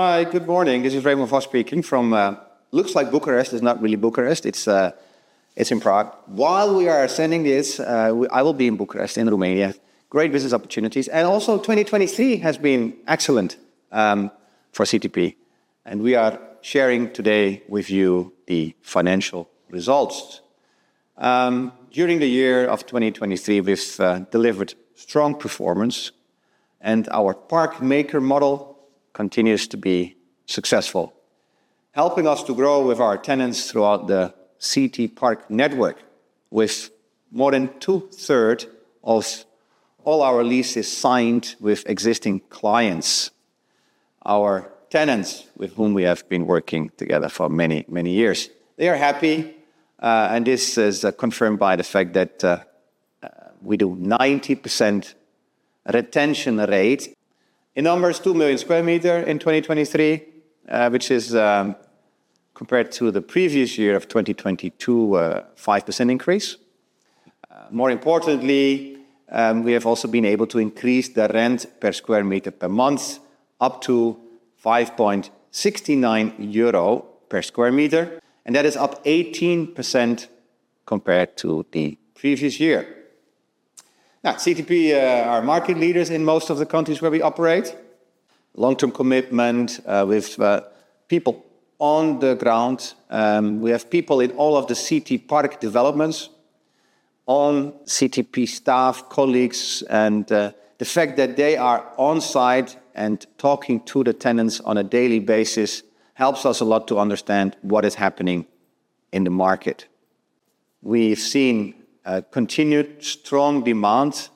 Hi, good morning. This is Remon Vos speaking from, looks like Bucharest is not really Bucharest. It's in Prague. While we are sending this, we will be in Bucharest, in Romania. Great business opportunities. And also 2023 has been excellent for CTP. And we are sharing today with you the financial results. During the year of 2023 we've delivered strong performance, and our Parkmaker model continues to be successful, helping us to grow with our tenants throughout the CTPark network, with more than two-thirds of all our leases signed with existing clients, our tenants with whom we have been working together for many, many years. They are happy, and this is confirmed by the fact that we do 90% retention rate. In numbers, 2 million square meters in 2023, which is compared to the previous year of 2022, 5% increase. More importantly, we have also been able to increase the rent per square meter per month up to 5.69 euro per square meter, and that is up 18% compared to the previous year. Now, CTP are market leaders in most of the countries where we operate. Long-term commitment, with people on the ground. We have people in all of the CT Park developments on. CTP staff, colleagues, and the fact that they are on-site and talking to the tenants on a daily basis helps us a lot to understand what is happening in the market. We've seen continued strong demand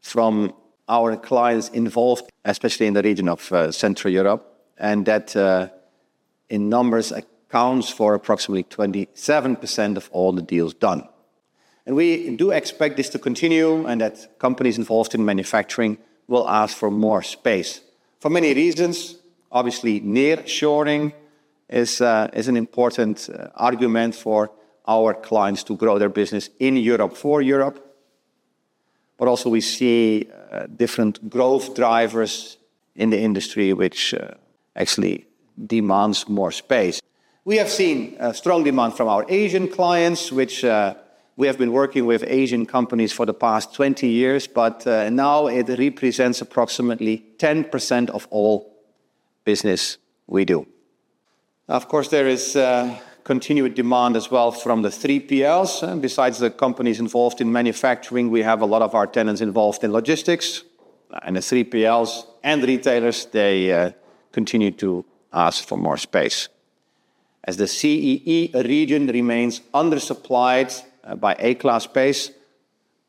from our clients involved, especially in the region of Central Europe, and that in numbers accounts for approximately 27% of all the deals done. And we do expect this to continue, and that companies involved in manufacturing will ask for more space. For many reasons. Obviously, nearshoring is an important argument for our clients to grow their business in Europe, for Europe. But also we see different growth drivers in the industry, which actually demands more space. We have seen strong demand from our Asian clients, which we have been working with Asian companies for the past 20 years, but now it represents approximately 10% of all business we do. Of course, there is continued demand as well from the 3PLs. Besides the companies involved in manufacturing, we have a lot of our tenants involved in logistics. And the 3PLs and retailers, they continue to ask for more space. As the CEE region remains undersupplied by A-class space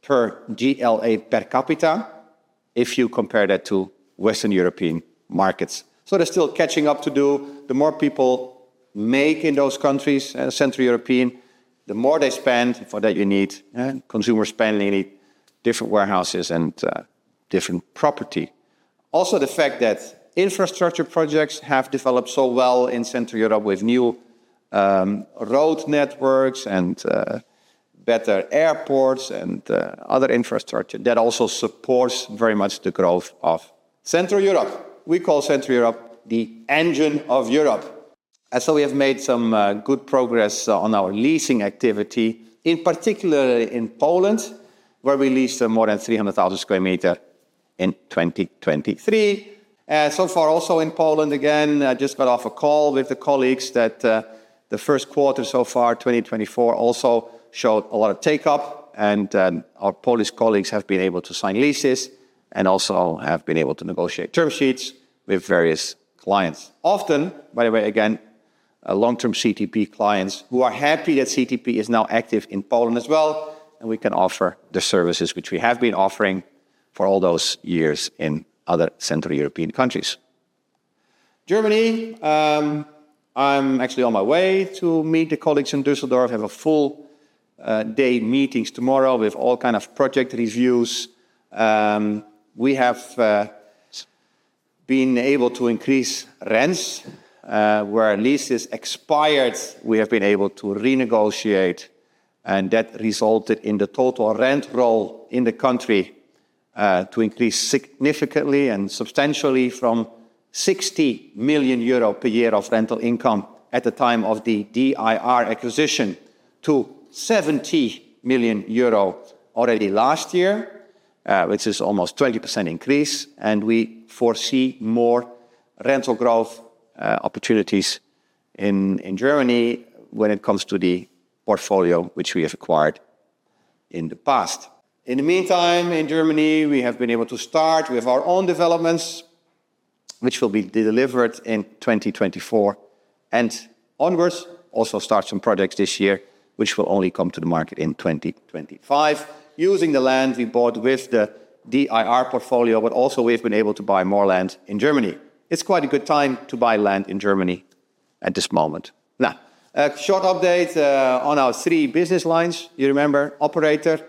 per GLA per capita, if you compare that to Western European markets. So they're still catching up to do. The more people make in those countries, Central European, the more they spend for that you need, consumer spending in different warehouses and, different property. Also the fact that infrastructure projects have developed so well in Central Europe with new road networks and better airports and other infrastructure that also supports very much the growth of Central Europe. We call Central Europe the engine of Europe. And so we have made some good progress on our leasing activity, in particular in Poland, where we leased more than 300,000 square meters in 2023. So far also in Poland, again, I just got off a call with the colleagues that the first quarter so far, 2024, also showed a lot of take-up, and our Polish colleagues have been able to sign leases and also have been able to negotiate term sheets with various clients. Often, by the way, again, long-term CTP clients who are happy that CTP is now active in Poland as well, and we can offer the services which we have been offering for all those years in other Central European countries. Germany, I'm actually on my way to meet the colleagues in Düsseldorf. I have a full day meetings tomorrow with all kind of project reviews. We have been able to increase rents where leases expired. We have been able to renegotiate, and that resulted in the total rent roll in the country to increase significantly and substantially from 60 million euro per year of rental income at the time of the DIR acquisition to 70 million euro already last year, which is almost 20% increase. We foresee more rental growth opportunities in Germany when it comes to the portfolio which we have acquired in the past. In the meantime, in Germany, we have been able to start with our own developments, which will be delivered in 2024 and onwards, also start some projects this year, which will only come to the market in 2025, using the land we bought with the DIR portfolio, but also we've been able to buy more land in Germany. It's quite a good time to buy land in Germany at this moment. Now, a short update on our three business lines. You remember, operator.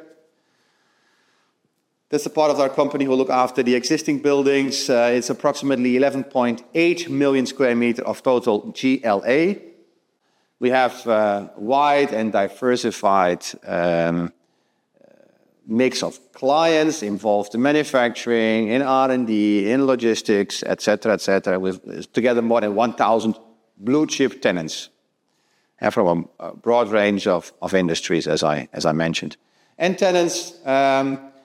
This is part of our company who look after the existing buildings. It's approximately 11.8 million square meters of total GLA. We have a wide and diversified mix of clients involved in manufacturing, in R&D, in logistics, etc., etc., with together more than 1,000 blue chip tenants from a broad range of industries, as I mentioned. Tenants,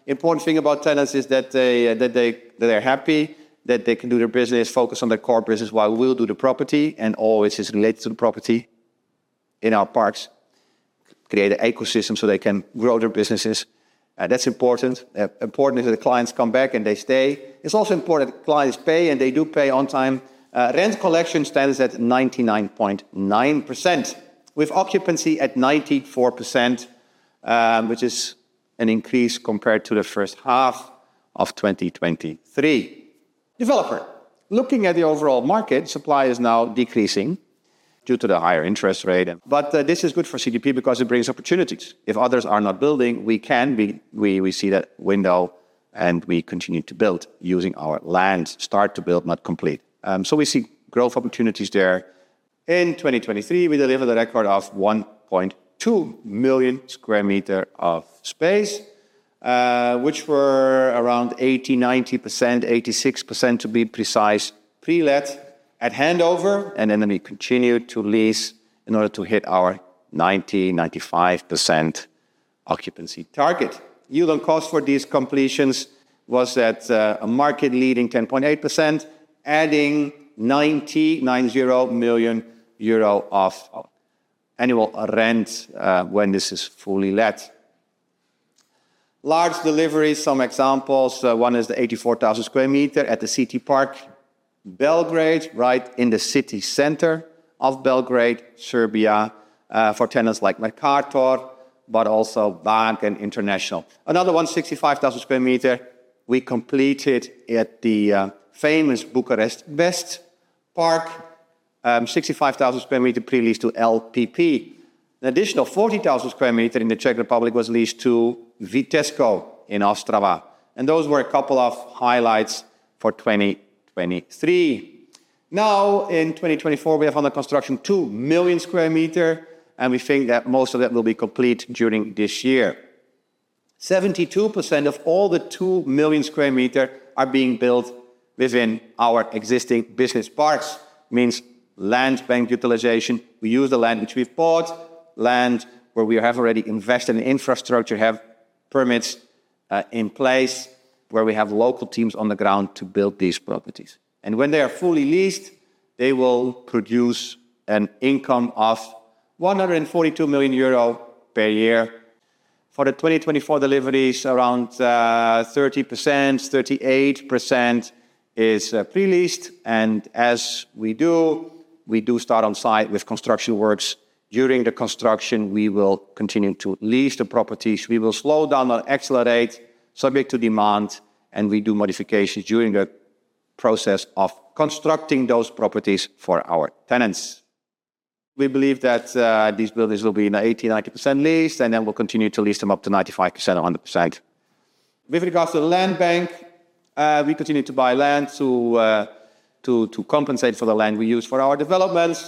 important thing about tenants is that they're happy, that they can do their business, focus on their core business while we'll do the property, and always is related to the property in our parks, create an ecosystem so they can grow their businesses. That's important. Important is that the clients come back and they stay. It's also important that clients pay, and they do pay on time. Rent collection stands at 99.9% with occupancy at 94%, which is an increase compared to the first half of 2023. Developer. Looking at the overall market, supply is now decreasing due to the higher interest rate. But this is good for CTP because it brings opportunities. If others are not building, we can, we see that window and we continue to build using our land, start to build, not complete. So we see growth opportunities there. In 2023, we delivered a record of 1.2 million square meters of space, which were around 80%-90%, 86% to be precise, pre-letting at handover, and then we continue to lease in order to hit our 90%-95% occupancy target. Yield on cost for these completions was that, a market-leading 10.8%, adding EUR 90 million of annual rent, when this is fully let. Large deliveries. Some examples. One is the 84,000 square meters at the CTPark Belgrade City, right in the city center of Belgrade, Serbia, for tenants like Mercator, but also Wagen International. Another one, 65,000 square meters. We completed it at the famous CTPark Bucharest West, 65,000 square meters pre-leased to LPP. An additional 40,000 square meters in the Czech Republic was leased to Vitesco in Ostrava. And those were a couple of highlights for 2023. Now, in 2024, we have under construction 2 million square meters, and we think that most of that will be complete during this year. 72% of all the 2 million square meters are being built within our existing business parks, means land bank utilization. We use the land which we've bought, land where we have already invested in infrastructure, have permits, in place where we have local teams on the ground to build these properties. And when they are fully leased, they will produce an income of 142 million euro per year. For the 2024 deliveries, around 30%-38% is pre-leased. And as we do, we do start on site with construction works. During the construction, we will continue to lease the properties. We will slow down or accelerate, subject to demand, and we do modifications during the process of constructing those properties for our tenants. We believe that these buildings will be in 80%-90% lease, and then we'll continue to lease them up to 95%-100%. With regards to the land bank, we continue to buy land to compensate for the land we use for our developments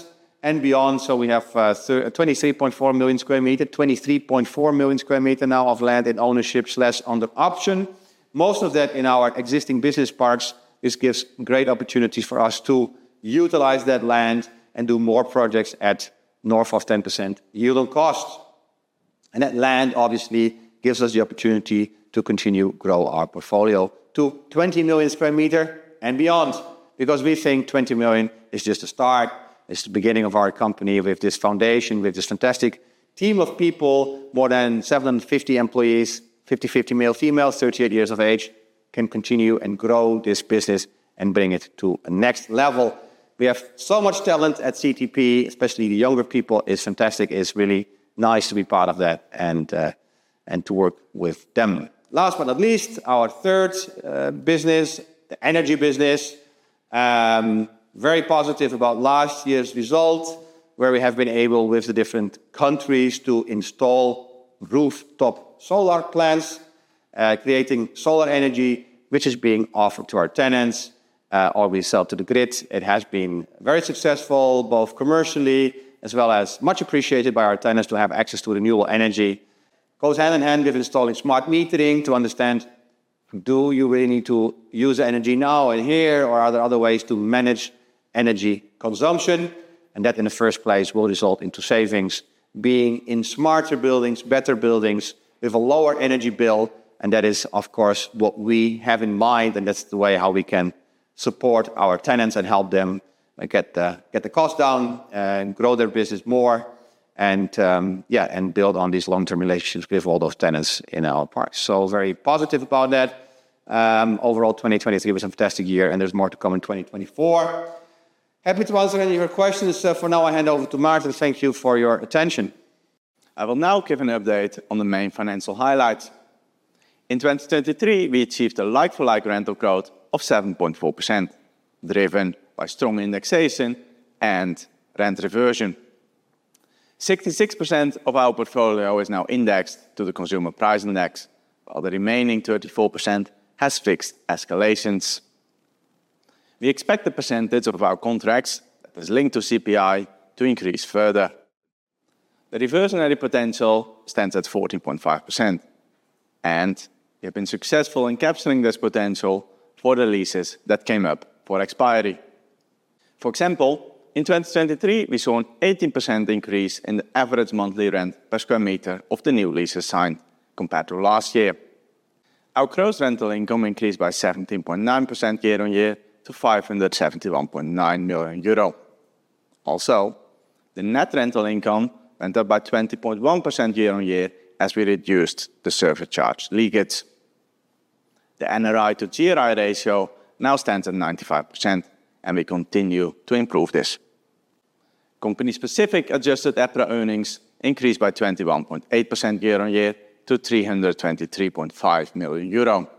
and beyond. So we have 23.4 million square meters, 23.4 million square meters now of land in ownership slash under option. Most of that in our existing business parks. This gives great opportunities for us to utilize that land and do more projects at north of 10% yield on cost. And that land obviously gives us the opportunity to continue to grow our portfolio to 20 million square meters and beyond, because we think 20 million is just the start. It's the beginning of our company with this foundation, with this fantastic team of people, more than 750 employees, 50-50 male females, 38 years of age, can continue and grow this business and bring it to a next level. We have so much talent at CTP, especially the younger people. It's fantastic. It's really nice to be part of that and to work with them. Last but not least, our third business, the energy business. Very positive about last year's result, where we have been able with the different countries to install rooftop solar plants, creating solar energy, which is being offered to our tenants, or we sell to the grid. It has been very successful, both commercially as well as much appreciated by our tenants to have access to renewable energy. Goes hand in hand with installing smart metering to understand, do you really need to use energy now and here, or are there other ways to manage energy consumption? And that in the first place will result in savings being in smarter buildings, better buildings with a lower energy bill. And that is, of course, what we have in mind. And that's the way how we can support our tenants and help them get the cost down and grow their business more and, yeah, and build on these long-term relations with all those tenants in our parks. So very positive about that. Overall, 2023 was a fantastic year, and there's more to come in 2024. Happy to answer any of your questions. So for now, I hand over to Martin. Thank you for your attention. I will now give an update on the main financial highlights. In 2023, we achieved a like-for-like rental growth of 7.4% driven by strong indexation and rent reversion. 66% of our portfolio is now indexed to the Consumer Price Index, while the remaining 34% has fixed escalations. We expect the percentage of our contracts that is linked to CPI to increase further. The reversionary potential stands at 14.5%, and we have been successful in capturing this potential for the leases that came up for expiry. For example, in 2023, we saw an 18% increase in the average monthly rent per square meter of the new leases signed compared to last year. Our gross rental income increased by 17.9% year-on-year to 571.9 million euro. Also, the net rental income went up by 20.1% year-on-year as we reduced the service charge leakage. The NRI to GRI ratio now stands at 95%, and we continue to improve this. Company-specific adjusted EPRA earnings increased by 21.8% year-on-year to 323.5 million euro.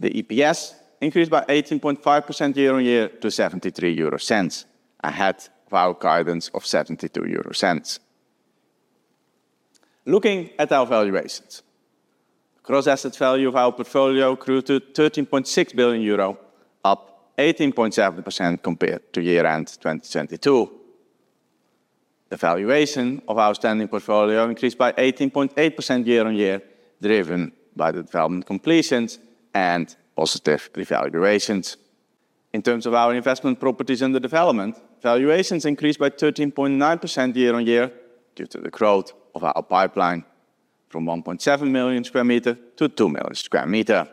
The EPS increased by 18.5% year-on-year to 0.73, ahead of our guidance of 0.72. Looking at our valuations, the gross asset value of our portfolio grew to 13.6 billion euro, up 18.7% compared to year-end 2022. The valuation of our standing portfolio increased by 18.8% year-on-year driven by the development completions and positive revaluations. In terms of our investment properties under development, valuations increased by 13.9% year-on-year due to the growth of our pipeline from 1.7 million square meters to 2 million square meters.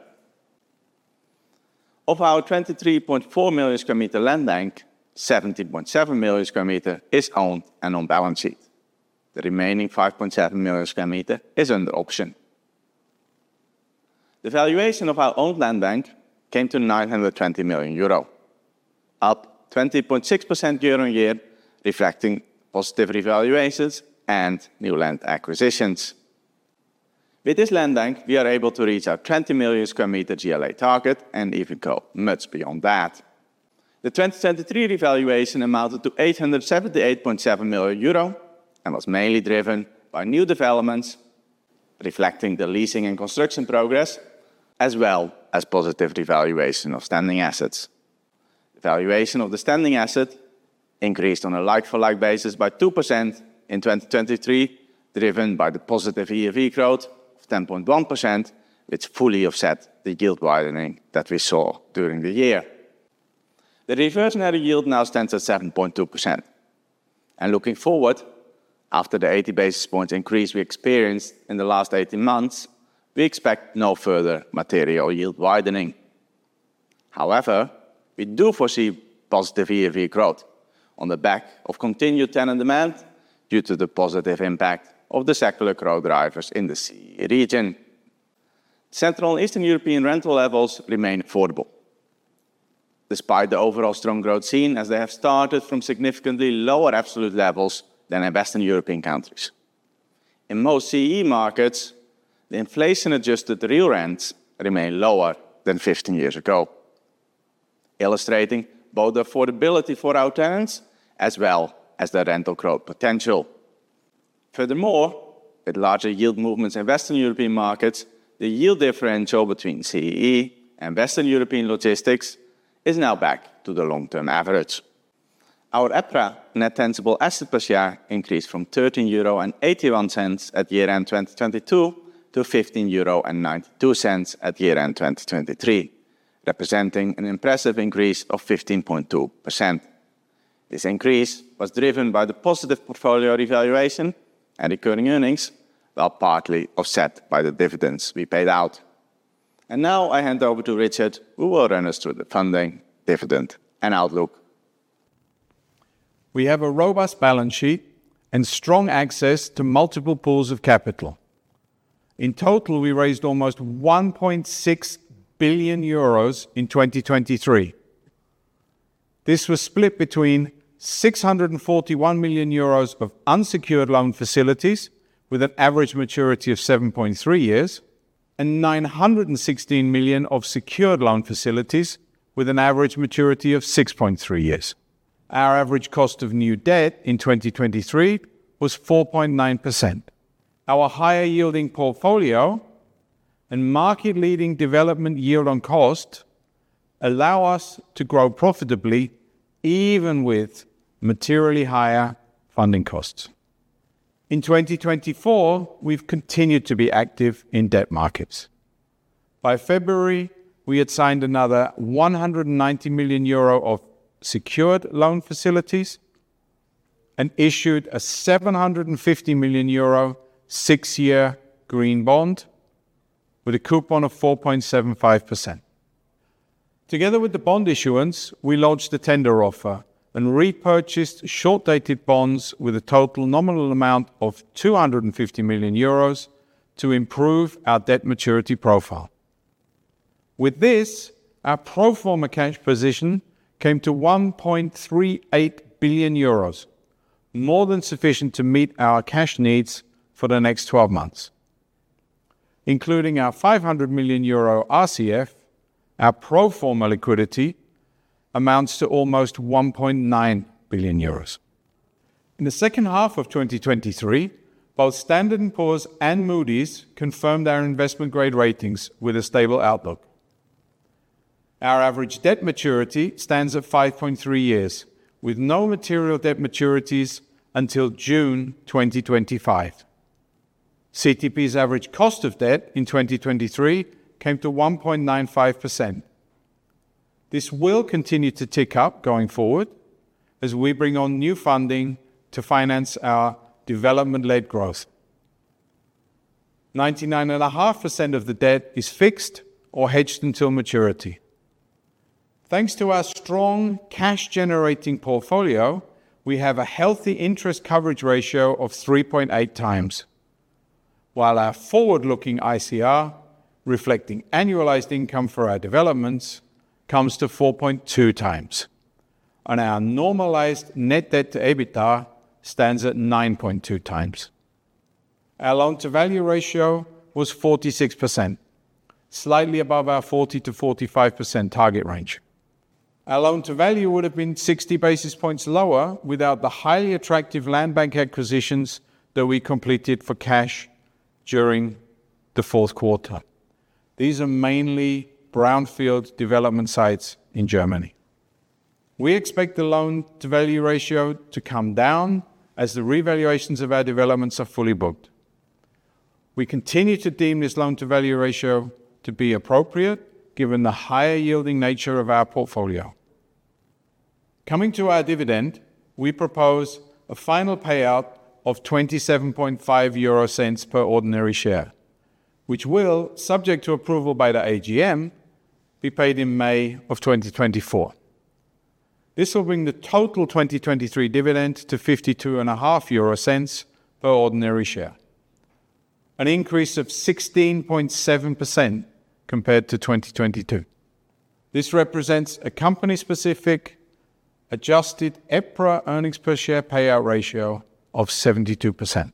Of our 23.4 million square meters land bank, 17.7 million square meters is owned and unencumbered. The remaining 5.7 million square meters is under option. The valuation of our owned land bank came to 920 million euro, up 20.6% year-on-year, reflecting positive revaluations and new land acquisitions. With this land bank, we are able to reach our 20 million sq m GLA target and even go much beyond that. The 2023 revaluation amounted to 878.7 million euro and was mainly driven by new developments, reflecting the leasing and construction progress, as well as positive revaluation of standing assets. The valuation of the standing asset increased on a like-for-like basis by 2% in 2023, driven by the positive ERV growth of 10.1%, which fully offset the yield widening that we saw during the year. The reversionary yield now stands at 7.2%. Looking forward, after the 80 basis point increase we experienced in the last 18 months, we expect no further material yield widening. However, we do foresee positive ERV growth on the back of continued tenant demand due to the positive impact of the secular growth drivers in the CEE region. Central and Eastern European rental levels remain affordable, despite the overall strong growth seen as they have started from significantly lower absolute levels than in Western European countries. In most CEE markets, the inflation-adjusted real rents remain lower than 15 years ago, illustrating both the affordability for our tenants as well as the rental growth potential. Furthermore, with larger yield movements in Western European markets, the yield differential between CEE and Western European logistics is now back to the long-term average. Our EPRA, net tangible asset per year, increased from 13.81 euro at year-end 2022 to 15.92 euro at year-end 2023, representing an impressive increase of 15.2%. This increase was driven by the positive portfolio revaluation and recurring earnings, while partly offset by the dividends we paid out. And now I hand over to Richard, who will run us through the funding, dividend, and outlook. We have a robust balance sheet and strong access to multiple pools of capital. In total, we raised almost 1.6 billion euros in 2023. This was split between 641 million euros of unsecured loan facilities with an average maturity of 7.3 years and 916 million of secured loan facilities with an average maturity of 6.3 years. Our average cost of new debt in 2023 was 4.9%. Our higher yielding portfolio and market-leading development yield on cost allow us to grow profitably even with materially higher funding costs. In 2024, we've continued to be active in debt markets. By February, we had signed another 190 million euro of secured loan facilities and issued a 750 million euro six-year green bond with a coupon of 4.75%. Together with the bond issuance, we launched a tender offer and repurchased short-dated bonds with a total nominal amount of 250 million euros to improve our debt maturity profile. With this, our pro forma cash position came to 1.38 billion euros, more than sufficient to meet our cash needs for the next 12 months. Including our 500 million euro RCF, our pro forma liquidity amounts to almost 1.9 billion euros. In the second half of 2023, both Standard & Poor's and Moody's confirmed their investment-grade ratings with a stable outlook. Our average debt maturity stands at 5.3 years, with no material debt maturities until June 2025. CTP's average cost of debt in 2023 came to 1.95%. This will continue to tick up going forward as we bring on new funding to finance our development-led growth. 99.5% of the debt is fixed or hedged until maturity. Thanks to our strong cash-generating portfolio, we have a healthy interest coverage ratio of 3.8 times, while our forward-looking ICR, reflecting annualized income for our developments, comes to 4.2 times, and our normalized net debt to EBITDA stands at 9.2 times. Our loan-to-value ratio was 46%, slightly above our 40%-45% target range. Our loan-to-value would have been 60 basis points lower without the highly attractive land bank acquisitions that we completed for cash during the fourth quarter. These are mainly brownfield development sites in Germany. We expect the loan-to-value ratio to come down as the revaluations of our developments are fully booked. We continue to deem this loan-to-value ratio to be appropriate given the higher yielding nature of our portfolio. Coming to our dividend, we propose a final payout of 0.275 per ordinary share, which will, subject to approval by the AGM, be paid in May of 2024. This will bring the total 2023 dividend to 0.525 per ordinary share, an increase of 16.7% compared to 2022. This represents a company-specific adjusted EPRA earnings per share payout ratio of 72%.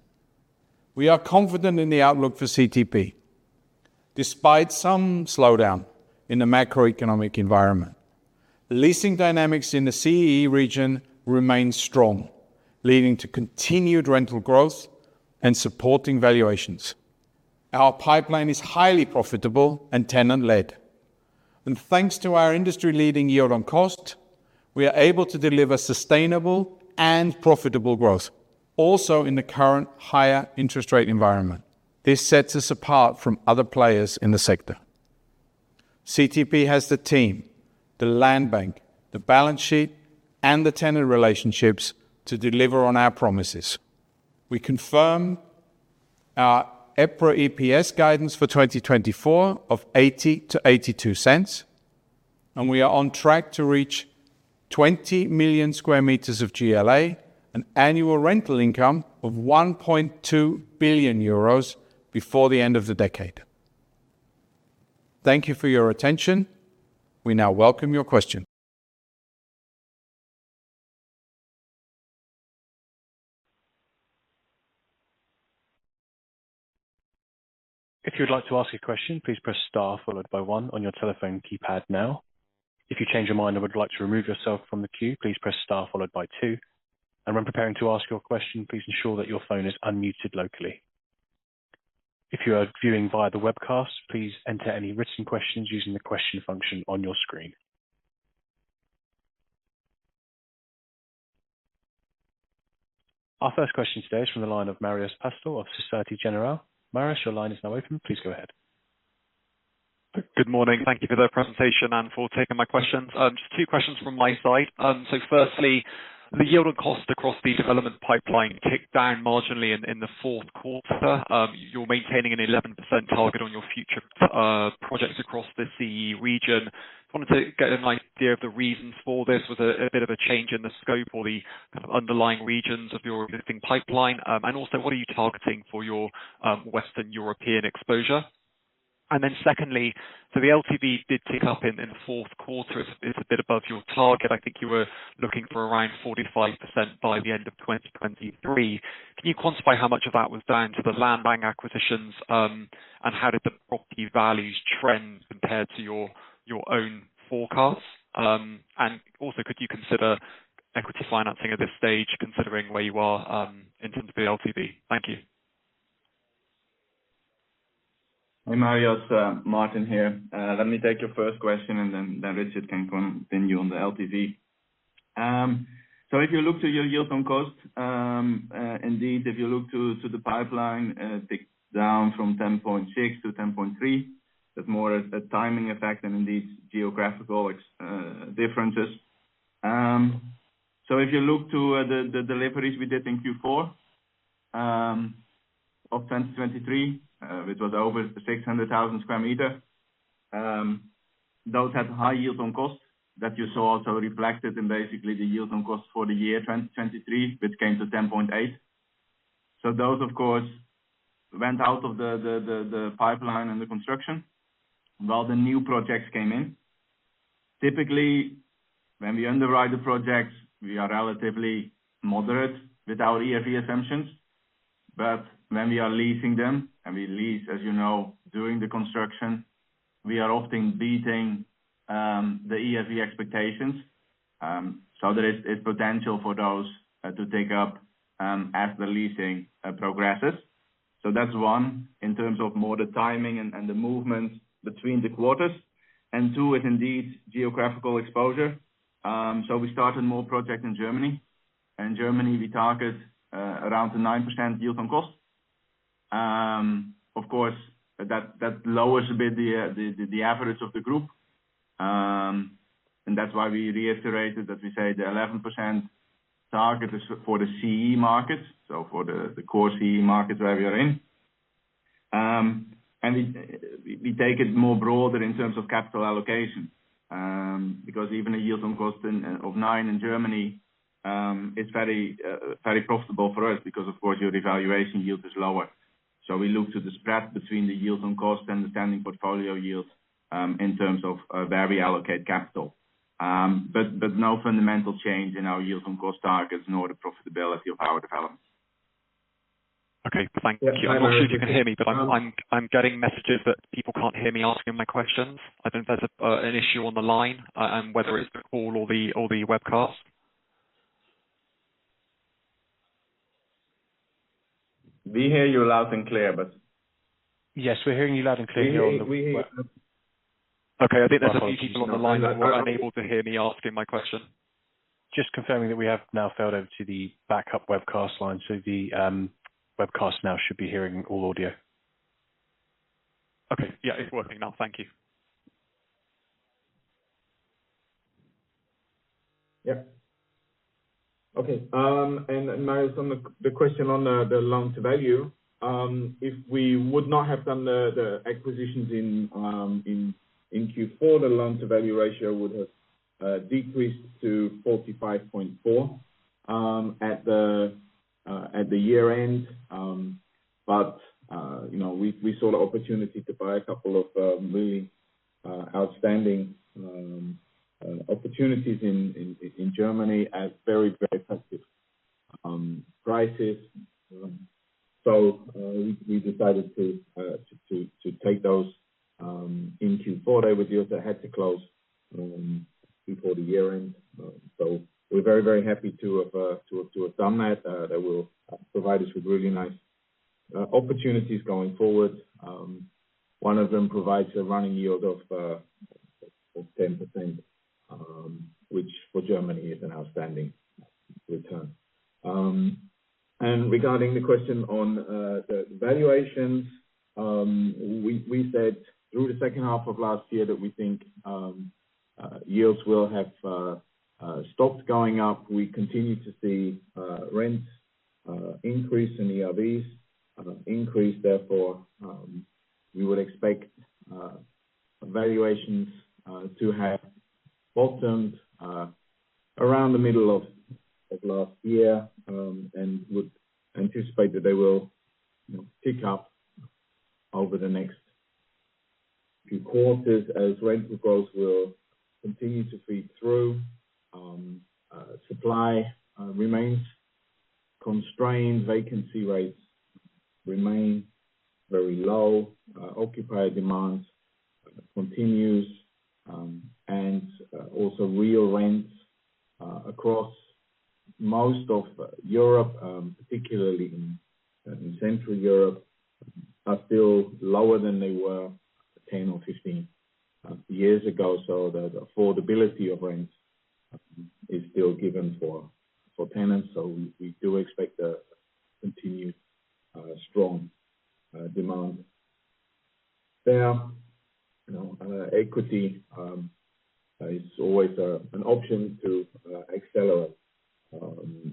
We are confident in the outlook for CTP. Despite some slowdown in the macroeconomic environment, leasing dynamics in the CEE region remain strong, leading to continued rental growth and supporting valuations. Our pipeline is highly profitable and tenant-led. And thanks to our industry-leading yield on cost, we are able to deliver sustainable and profitable growth, also in the current higher interest rate environment. This sets us apart from other players in the sector. CTP has the team, the land bank, the balance sheet, and the tenant relationships to deliver on our promises. We confirm our EPRA EPS guidance for 2024 of 80%-82%, and we are on track to reach 20 million sq m of GLA, an annual rental income of 1.2 billion euros before the end of the decade. Thank you for your attention. We now welcome your questions. If you would like to ask a question, please press star followed by one on your telephone keypad now. If you change your mind or would like to remove yourself from the queue, please press star followed by two. When preparing to ask your question, please ensure that your phone is unmuted locally. If you are viewing via the webcast, please enter any written questions using the question function on your screen. Our first question today is from the line of Marius Pretor of Société Générale. Marius, your line is now open. Please go ahead. Good morning. Thank you for the presentation and for taking my questions. Just two questions from my side. So firstly, the yield on cost across the development pipeline ticked down marginally in the fourth quarter. You're maintaining an 11% target on your future projects across the CEE region. I wanted to get an idea of the reasons for this. Was there a bit of a change in the scope or the kind of underlying regions of your existing pipeline? And also, what are you targeting for your Western European exposure? And then secondly, so the LTV did tick up in the fourth quarter. It's a bit above your target. I think you were looking for around 45% by the end of 2023. Can you quantify how much of that was down to the land bank acquisitions, and how did the property values trend compared to your own forecasts? And also, could you consider equity financing at this stage, considering where you are in terms of the LTV? Thank you. Hey, Marius. Martin here. Let me take your first question, and then Richard can continue on the LTV. If you look to your yield on cost, indeed, if you look to the pipeline, it ticked down from 10.6% to 10.3%. That's more a timing effect and indeed geographical differences. So if you look to the deliveries we did in Q4 of 2023, which was over 600,000 square meters, those had high yield on cost that you saw also reflected in basically the yield on cost for the year 2023, which came to 10.8%. So those, of course, went out of the pipeline and the construction while the new projects came in. Typically, when we underwrite the projects, we are relatively moderate with our ERV assumptions. But when we are leasing them and we lease, as you know, during the construction, we are often beating the ERV expectations. So there is potential for those to tick up as the leasing progresses. So that's one, in terms of more the timing and the movements between the quarters. And two, it's indeed geographical exposure. So we started more projects in Germany. And in Germany, we target around a 9% yield on cost. Of course, that lowers a bit the average of the group. And that's why we reiterated that we say the 11% target is for the CEE markets, so for the core CEE markets where we are in. And we take it more broader in terms of capital allocation because even a yield on cost of 9% in Germany is very profitable for us because, of course, your evaluation yield is lower. So we look to the spread between the yield on cost and the standing portfolio yield in terms of where we allocate capital. But no fundamental change in our yield on cost targets nor the profitability of our development. Okay. Thank you. I'm not sure if you can hear me, but I'm getting messages that people can't hear me asking my questions. I don't know if there's an issue on the line and whether it's the call or the webcast. We hear you loud and clear, but. Yes, we're hearing you loud and clear here on the. Okay. I think there's a few people on the line that were unable to hear me asking my question. Just confirming that we have now failed over to the backup webcast line. So the webcast now should be hearing all audio. Okay. Yeah, it's working now. Thank you. Yep. Okay. And Marius, the question on the loan-to-value. If we would not have done the acquisitions in Q4, the loan-to-value ratio would have decreased to 45.4 at the year-end. But we saw the opportunity to buy a couple of really outstanding opportunities in Germany at very, very attractive prices. So we decided to take those in Q4. They were dealt ahead to close before the year-end. So we're very, very happy to have done that. That will provide us with really nice opportunities going forward. One of them provides a running yield of 10%, which for Germany is an outstanding return. And regarding the question on the valuations, we said through the second half of last year that we think yields will have stopped going up. We continue to see rents increase and ERVs increase. Therefore, we would expect valuations to have bottomed around the middle of last year and would anticipate that they will tick up over the next few quarters as rental growth will continue to feed through. Supply remains constrained. Vacancy rates remain very low. Occupier demand continues. And also real rents across most of Europe, particularly in Central Europe, are still lower than they were 10 or 15 years ago. So the affordability of rents is still given for tenants. So we do expect a continued strong demand. Now, equity is always an option to accelerate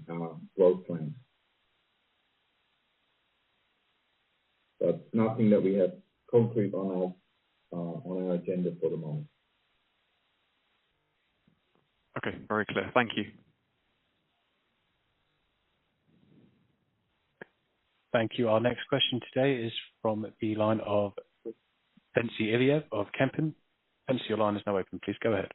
our growth plans. But nothing that we have concrete on our agenda for the moment. Okay. Very clear. Thank you. Thank you. Our next question today is from the line of Bence Ilyés of Kempen. Bence, your line is now open. Please go ahead.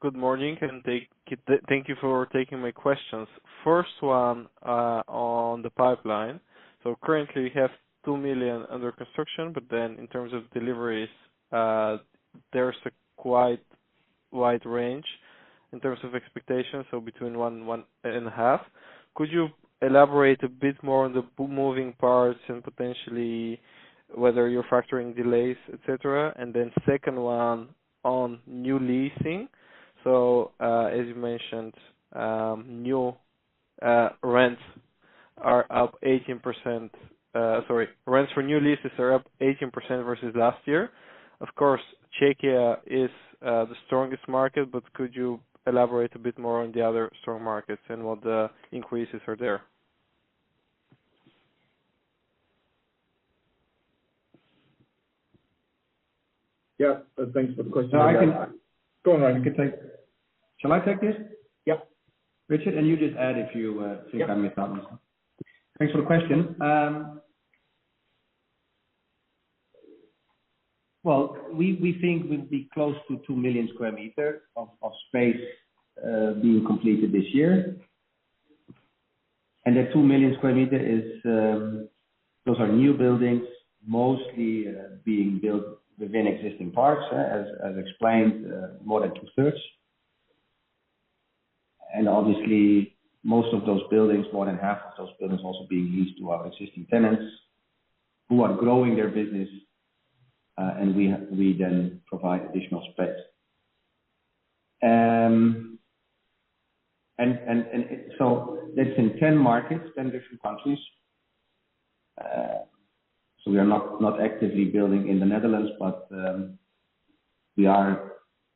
Good morning. And thank you for taking my questions. First one on the pipeline. So currently, we have 2 million under construction. But then in terms of deliveries, there's a quite wide range in terms of expectations, so between 1 and 1.5. Could you elaborate a bit more on the moving parts and potentially whether you're factoring delays, etc.? And then second one on new leasing. So as you mentioned, new rents are up 18% sorry, rents for new leases are up 18% versus last year. Of course, Czechia is the strongest market. But could you elaborate a bit more on the other strong markets and what the increases are there? Yep. Thanks for the question. Go on, Bryan. You can take shall I take this? Yep. Richard, and you just add if you think I missed out on something. Thanks for the question. Well, we think we'll be close to 2 million sq m of space being completed this year. And that 2 million sq m, those are new buildings mostly being built within existing parks, as explained, more than two-thirds. And obviously, most of those buildings, more than half of those buildings, also being leased to our existing tenants who are growing their business. And we then provide additional space. And so that's in 10 markets, 10 different countries. So we are not actively building in the Netherlands, but we are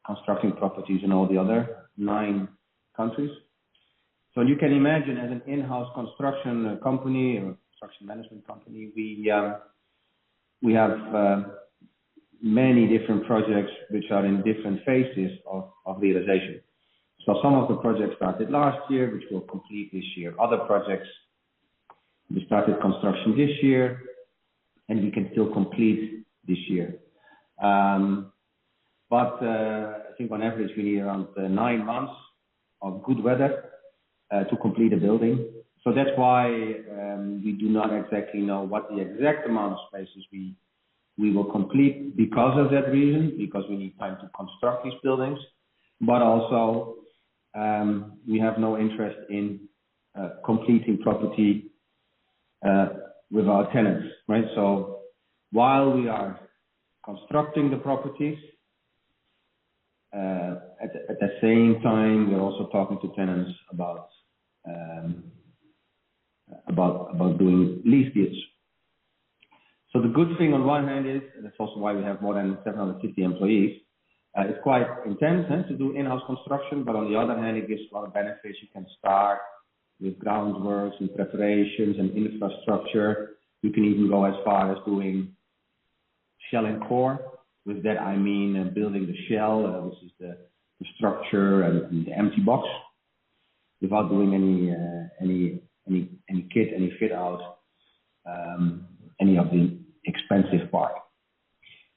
constructing properties in all the other nine countries. So you can imagine, as an in-house construction company or construction management company, we have many different projects which are in different phases of realization. So some of the projects started last year, which will complete this year. Other projects, we started construction this year, and we can still complete this year. But I think, on average, we need around nine months of good weather to complete a building. So that's why we do not exactly know what the exact amount of spaces we will complete because of that reason, because we need time to construct these buildings. But also, we have no interest in completing property with our tenants, right? So while we are constructing the properties, at the same time, we're also talking to tenants about doing lease deals. So the good thing, on one hand, is and that's also why we have more than 750 employees. It's quite intense to do in-house construction. But on the other hand, it gives a lot of benefits. You can start with groundworks and preparations and infrastructure. You can even go as far as doing shell and core. With that, I mean building the shell, which is the structure and the empty box, without doing any kit, any fit-out, any of the expensive part.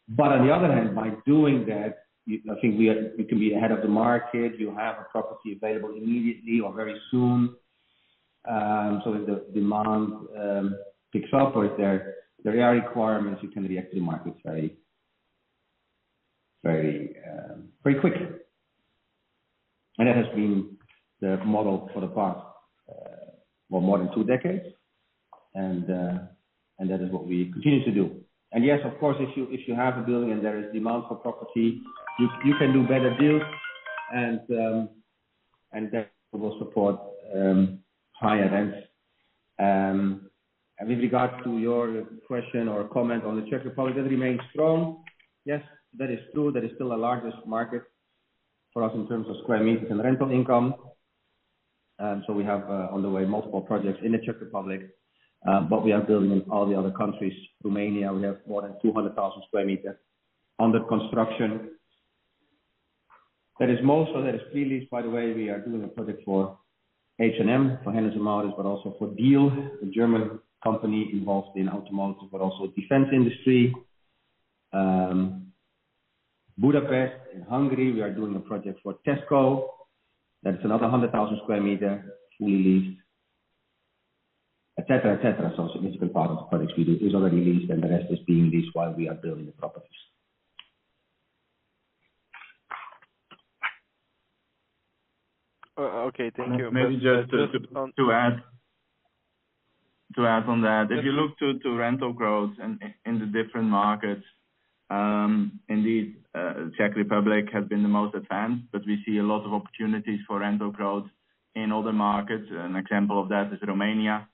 But on the other hand, by doing that, I think you can be ahead of the market. You have a property available immediately or very soon. So if the demand picks up or if there are requirements, you can react to the market very quick. And that has been the model for the past more than two decades. And that is what we continue to do. And yes, of course, if you have a building and there is demand for property, you can do better deals. And that will support higher rents. And with regards to your question or comment on the Czech Republic, that remains strong. Yes, that is true. That is still the largest market for us in terms of square meters and rental income. So we have on the way multiple projects in the Czech Republic. But we are building in all the other countries. Romania, we have more than 200,000 square meters under construction. That is pre-lease, by the way. We are doing a project for H&M, for Hanon Systems, but also for Diehl Group, a German company involved in automotive but also defense industry. Budapest, in Hungary, we are doing a project for Tesco. That's another 100,000 square meters, fully leased, etc., etc. So a significant part of the projects we do is already leased, and the rest is being leased while we are building the properties. Okay. Thank you. Maybe just to add on that, if you look to rental growth in the different markets, indeed, Czech Republic has been the most advanced. But we see a lot of opportunities for rental growth in other markets. An example of that is Romania.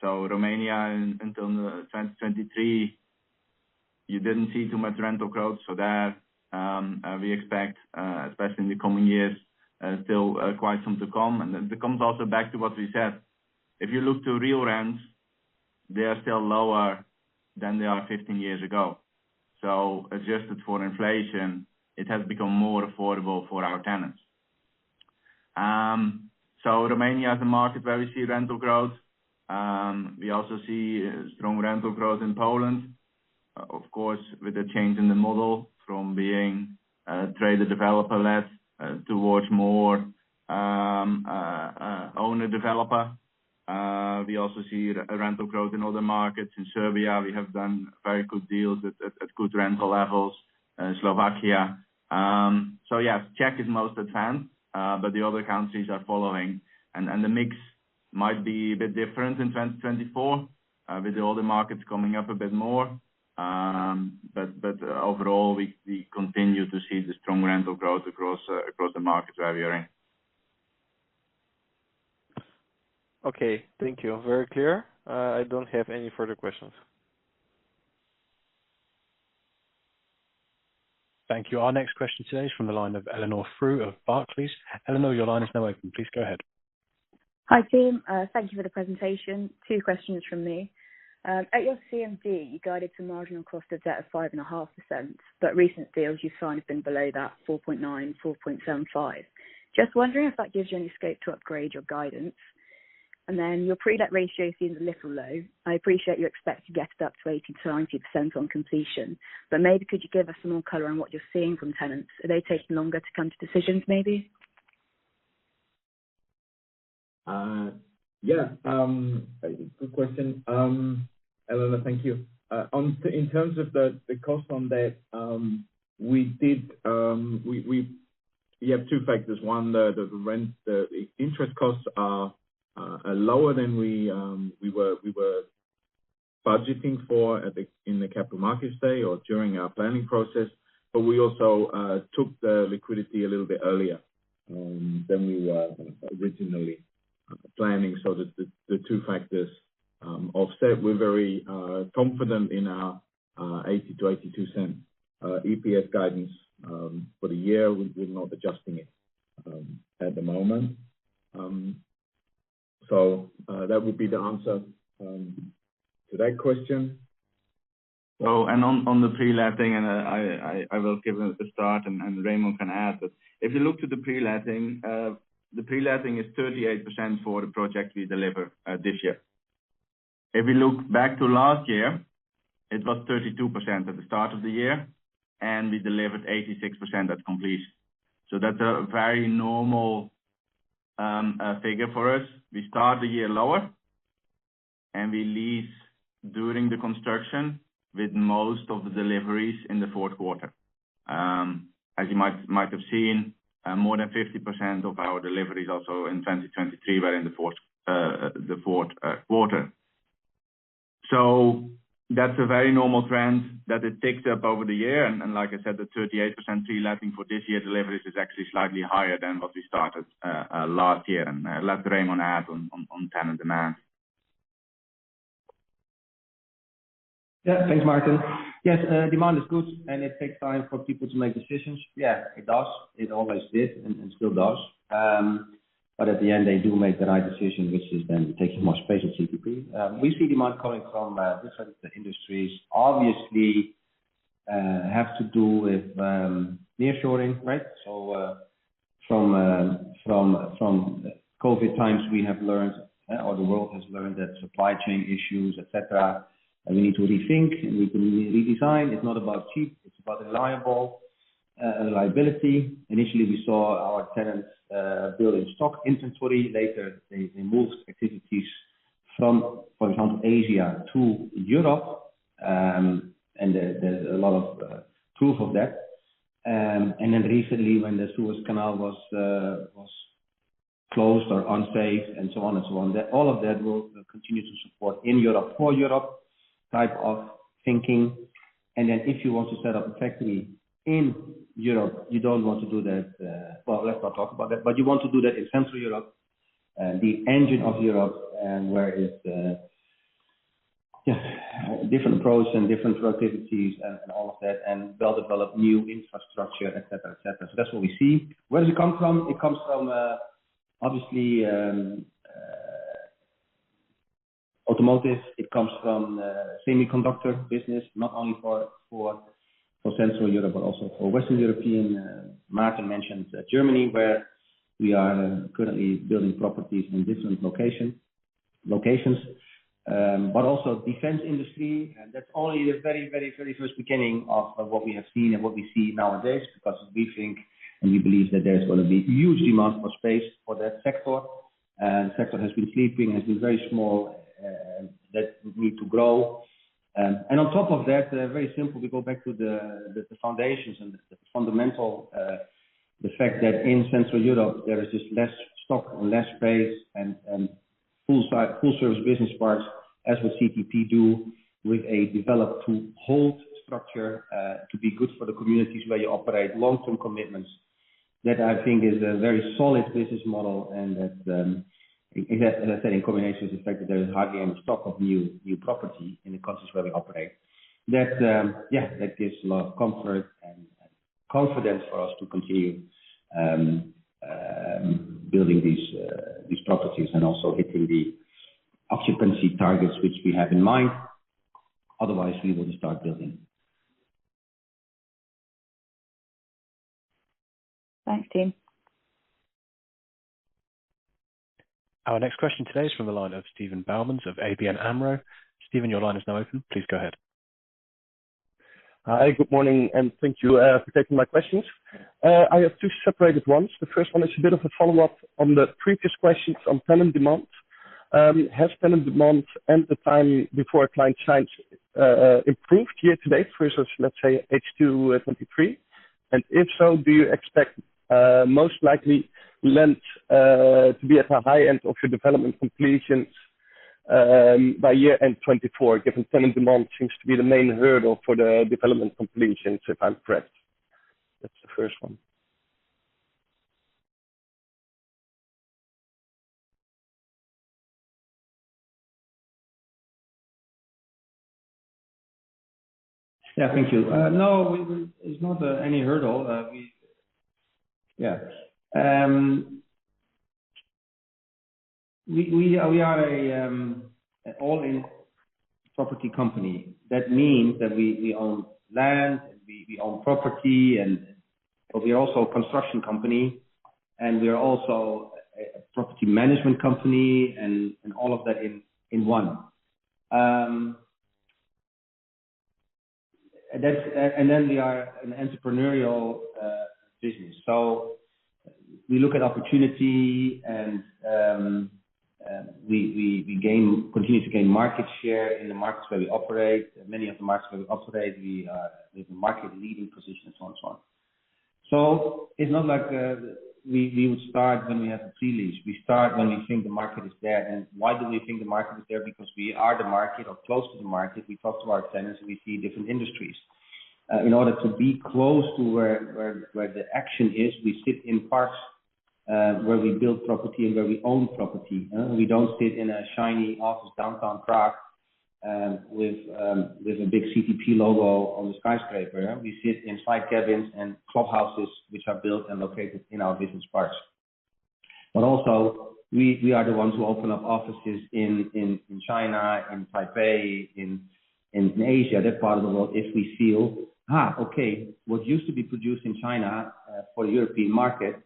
So Romania, until 2023, you didn't see too much rental growth. So there, we expect, especially in the coming years, still quite some to come. And it comes also back to what we said. If you look to real rents, they are still lower than they are 15 years ago. So adjusted for inflation, it has become more affordable for our tenants. So Romania is a market where we see rental growth. We also see strong rental growth in Poland, of course, with a change in the model from being trader-developer-led towards more owner-developer. We also see rental growth in other markets. In Serbia, we have done very good deals at good rental levels. Slovakia. So yes, Czech is most advanced. But the other countries are following. And the mix might be a bit different in 2024 with the other markets coming up a bit more. But overall, we continue to see the strong rental growth across the markets where we are in. Okay. Thank you. Very clear. I don't have any further questions. Thank you. Our next question today is from the line of Eleanor Frew of Barclays. Eleanor, your line is now open. Please go ahead. Hi, team. Thank you for the presentation. Two questions from me. At your CMD, you guided to marginal cost of debt of 5.5%. But recent deals you've signed have been below that, 4.9%, 4.75%. Just wondering if that gives you any scope to upgrade your guidance. And then your pre-let ratio seems a little low. I appreciate you expect to get it up to 80%-90% on completion. But maybe could you give us some more color on what you're seeing from tenants? Are they taking longer to come to decisions, maybe? Yeah. Good question, Eleanor. Thank you. In terms of the cost on debt, we have two factors. One, the interest costs are lower than we were budgeting for in the Capital Markets Day or during our planning process. But we also took the liquidity a little bit earlier than we were originally planning. So the two factors offset. We're very confident in our 0.80-0.82 EPS guidance for the year. We're not adjusting it at the moment. So that would be the answer to that question. And on the pre-letting, and I will give it at the start, and Remon can add, but if you look to the pre-letting, the pre-letting is 38% for the project we deliver this year. If we look back to last year, it was 32% at the start of the year. And we delivered 86% at completion. So that's a very normal figure for us. We start the year lower, and we lease during the construction with most of the deliveries in the fourth quarter. As you might have seen, more than 50% of our deliveries also in 2023 were in the fourth quarter. So that's a very normal trend that it ticks up over the year. Like I said, the 38% pre-letting for this year's deliveries is actually slightly higher than what we started last year. I'll let Remon add on tenant demand. Yeah. Thanks, Martin. Yes, demand is good. It takes time for people to make decisions. Yeah, it does. It always did and still does. But at the end, they do make the right decision, which is then taking more space in CTP. We see demand coming from different industries, obviously, have to do with nearshoring, right? So from COVID times, we have learned or the world has learned that supply chain issues, etc., we need to rethink and we can redesign. It's not about cheap. It's about reliability. Initially, we saw our tenants build in stock inventory. Later, they moved activities from, for example, Asia to Europe. There's a lot of proof of that. Then recently, when the Suez Canal was closed or unsafe and so on and so on, all of that will continue to support in Europe for Europe type of thinking. Then if you want to set up a factory in Europe, you don't want to do that well, let's not talk about that. But you want to do that in Central Europe, the engine of Europe, where it's different approach and different productivities and all of that and well-developed new infrastructure, etc., etc. So that's what we see. Where does it come from? It comes from, obviously, automotive. It comes from semiconductor business, not only for Central Europe but also for Western Europe. Martin mentioned Germany, where we are currently building properties in different locations, but also defense industry. That's only the very, very, very first beginning of what we have seen and what we see nowadays because we think and we believe that there's going to be huge demand for space for that sector. The sector has been sleeping. It has been very small. That would need to grow. On top of that, very simple, we go back to the foundations and the fundamentals, the fact that in Central Europe, there is just less stock and less space and full-service business parks, as CTP would do, with a developed-to-hold structure to be good for the communities where you operate long-term commitments. That I think is a very solid business model. And as I said, in combination with the fact that there is hardly any stock of new property in the countries where we operate, yeah, that gives a lot of comfort and confidence for us to continue building these properties and also hitting the occupancy targets, which we have in mind. Otherwise, we will just start building. Thanks, team. Our next question today is from the line of Steven Boumans of ABN AMRO. Steven, your line is now open. Please go ahead. Hey. Good morning. And thank you for taking my questions. I have two separated ones. The first one is a bit of a follow-up on the previous questions on tenant demand. Has tenant demand and the time before a client signs improved year to date versus, let's say, H2/2023? If so, do you expect, most likely, rent to be at the high end of your development completions by year-end 2024, given tenant demand seems to be the main hurdle for the development completions, if I'm correct? That's the first one. Yeah. Thank you. No, it's not any hurdle. Yeah. We are an all-in property company. That means that we own land and we own property. But we are also a construction company. And we are also a property management company and all of that in one. And then we are an entrepreneurial business. So we look at opportunity, and we continue to gain market share in the markets where we operate, many of the markets where we operate. We have a market-leading position, and so on and so on. So it's not like we would start when we have a pre-lease. We start when we think the market is there. Why do we think the market is there? Because we are the market or close to the market. We talk to our tenants, and we see different industries. In order to be close to where the action is, we sit in parks where we build property and where we own property. We don't sit in a shiny office downtown Prague with a big CTP logo on the skyscraper. We sit inside cabins and clubhouses, which are built and located in our business parks. But also, we are the ones who open up offices in China, in Taipei, in Asia, that part of the world, if we feel, okay, what used to be produced in China for the European market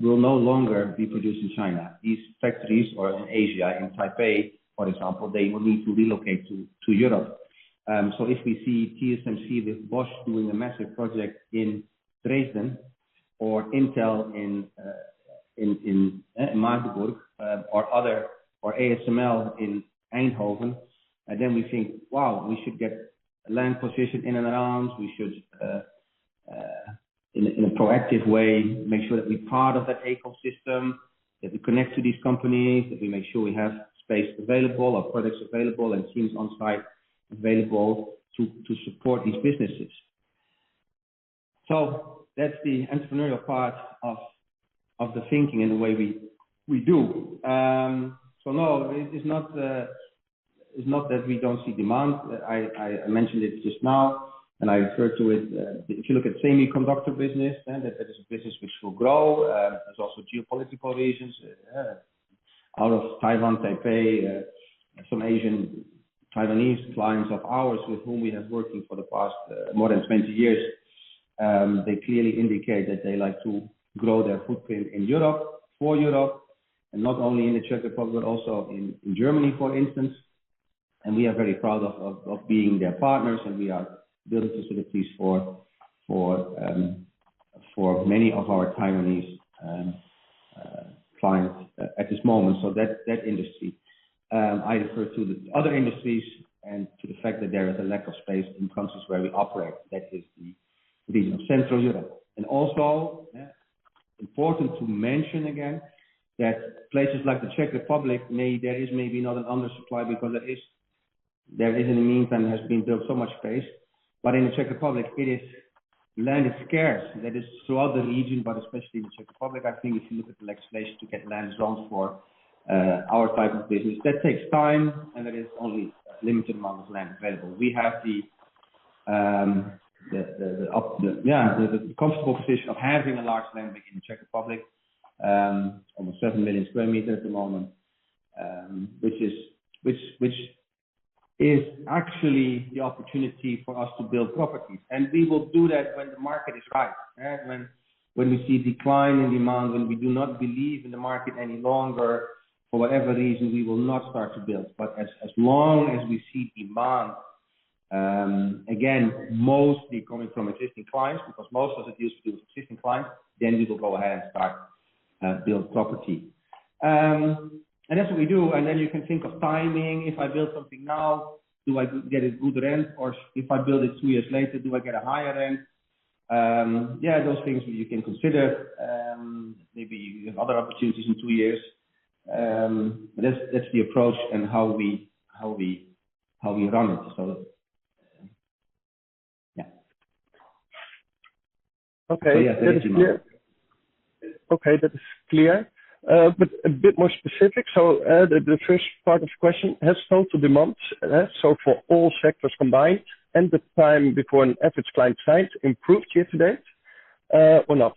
will no longer be produced in China. These factories are in Asia. In Taipei, for example, they will need to relocate to Europe. So if we see TSMC with Bosch doing a massive project in Dresden or Intel in Magdeburg or ASML in Eindhoven, then we think, "Wow, we should get land positioned in and around. We should, in a proactive way, make sure that we're part of that ecosystem, that we connect to these companies, that we make sure we have space available or products available and teams on site available to support these businesses." So that's the entrepreneurial part of the thinking and the way we do. So no, it's not that we don't see demand. I mentioned it just now, and I referred to it. If you look at semiconductor business, that is a business which will grow. There's also geopolitical reasons. Out of Taiwan, Taipei, some Asian Taiwanese clients of ours with whom we have worked for the past more than 20 years, they clearly indicate that they like to grow their footprint in Europe, for Europe, and not only in the Czech Republic but also in Germany, for instance. And we are very proud of being their partners. And we are building facilities for many of our Taiwanese clients at this moment. So that industry. I refer to the other industries and to the fact that there is a lack of space in countries where we operate. That is the region of Central Europe. And also, important to mention again that places like the Czech Republic, there is maybe not an undersupply because there is, in the meantime, has been built so much space. But in the Czech Republic, land is scarce. That is throughout the region, but especially in the Czech Republic. I think if you look at the legislation to get land zoned for our type of business, that takes time. And there is only a limited amount of land available. We have the, yeah, the comfortable position of having a large land bank in the Czech Republic, almost 7 million square meters at the moment, which is actually the opportunity for us to build properties. And we will do that when the market is right, when we see decline in demand, when we do not believe in the market any longer. For whatever reason, we will not start to build. But as long as we see demand, again, mostly coming from existing clients because most of us are used to doing with existing clients, then we will go ahead and start building property. And that's what we do. Then you can think of timing. If I build something now, do I get a good rent? Or if I build it 2 years later, do I get a higher rent? Yeah, those things you can consider. Maybe you have other opportunities in 2 years. But that's the approach and how we run it. So yeah. Okay. That is clear. Okay. That is clear. But a bit more specific. So the first part of the question has to do with demand, so for all sectors combined, and the time before an average client signs, improved year to date or not?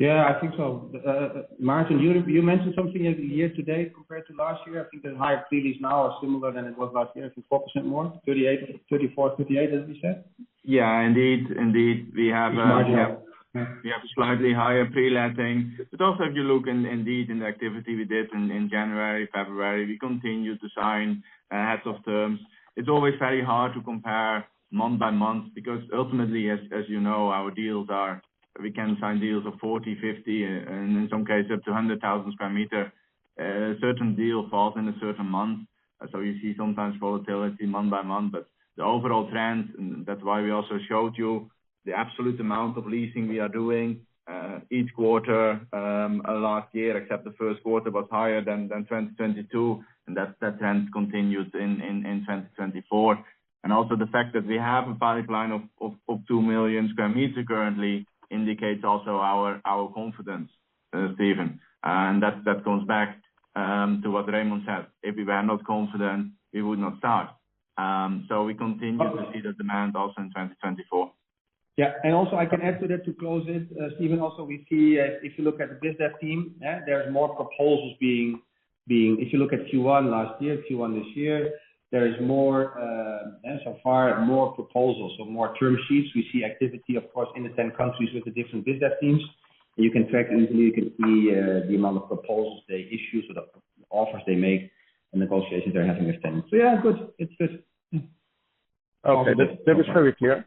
Yeah, I think so. Martin, you mentioned something year to date compared to last year. I think the higher pre-lease now is similar to what it was last year, I think, 4% more, 34%-38%, as we said. Yeah, indeed. Indeed. We have a slightly higher pre-letting. But also, if you look indeed in the activity we did in January, February, we continue to sign heads of terms. It's always very hard to compare month by month because ultimately, as you know, our deals are we can sign deals of 40, 50, and in some cases, up to 100,000 square meters. Certain deal falls in a certain month. So you see sometimes volatility month by month. But the overall trend, and that's why we also showed you the absolute amount of leasing we are doing each quarter last year, except the first quarter was higher than 2022. And that trend continued in 2024. And also, the fact that we have a pipeline of 2 million square meters currently indicates also our confidence, Stephen. And that goes back to what Raymond said. If we were not confident, we would not start. So we continue to see the demand also in 2024. Yeah. And also, I can add to that to close it. Steven, also, we see, if you look at the BizDev team, there's more proposals being if you look at Q1 last year, Q1 this year, there is, so far, more proposals, so more term sheets. We see activity, of course, in the 10 countries with the different BizDev teams. And you can track easily. You can see the amount of proposals they issue, so the offers they make, and negotiations they're having with tenants. So yeah, good. It's good. Okay. That was very clear.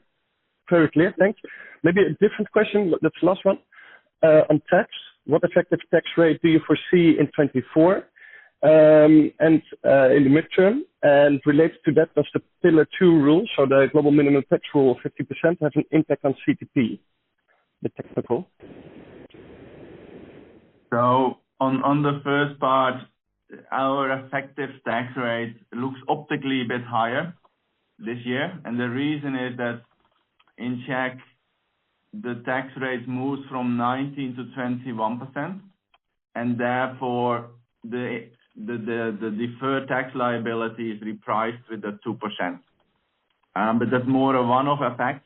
Very clear. Thanks. Maybe a different question. That's the last one. On tax, what effective tax rate do you foresee in 2024 and in the midterm? And related to that, does the Pillar Two rule, so the global minimum tax rule of 50%, have an impact on CTP, the technical? So on the first part, our effective tax rate looks optically a bit higher this year. And the reason is that in Czech, the tax rate moves from 19%-21%. And therefore, the deferred tax liability is repriced with the 2%. But that's more a one-off effect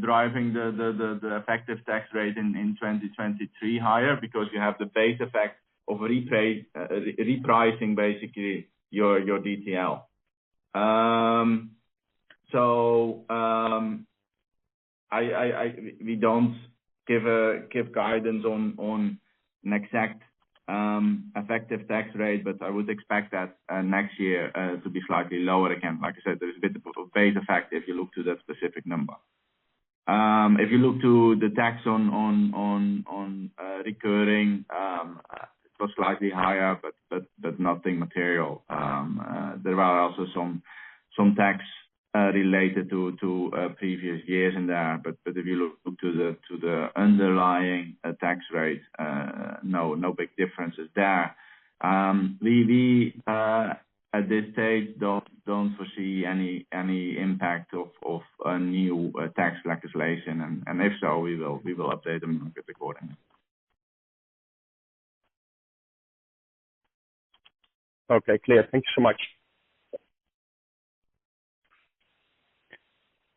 driving the effective tax rate in 2023 higher because you have the base effect of repricing, basically, your DTL. So we don't give guidance on an exact effective tax rate. But I would expect that next year to be slightly lower again. Like I said, there's a bit of a base effect if you look to that specific number. If you look to the tax on recurring, it was slightly higher but nothing material. There are also some tax-related to previous years in there. But if you look to the underlying tax rate, no, no big differences there. We, at this stage, don't foresee any impact of new tax legislation. And if so, we will update them accordingly. Okay. Clear. Thank you so much.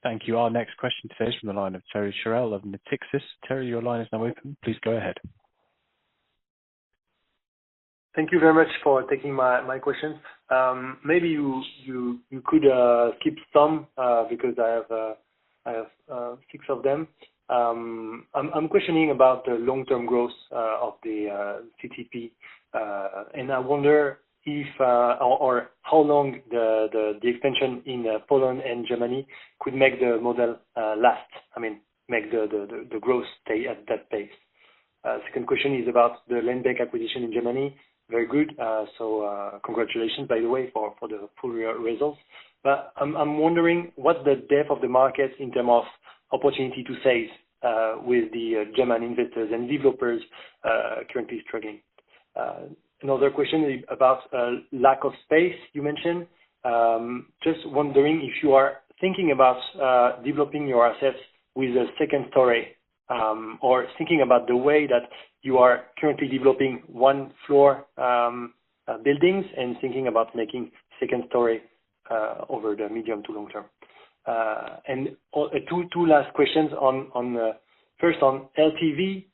Thank you. Our next question today is from the line of Thierry Cherel of Natixis. Thierry, your line is now open. Please go ahead. Thank you very much for taking my questions. Maybe you could skip some because I have six of them. I'm questioning about the long-term growth of the CTP. And I wonder if or how long the extension in Poland and Germany could make the model last, I mean, make the growth stay at that pace. Second question is about the land bank acquisition in Germany. Very good. So congratulations, by the way, for the full results. But I'm wondering what's the depth of the market in terms of opportunity to sales with the German investors and developers currently struggling? Another question about lack of space, you mentioned. Just wondering if you are thinking about developing your assets with a second story or thinking about the way that you are currently developing one-floor buildings and thinking about making second story over the medium to long term. And two last questions. First, on LTV,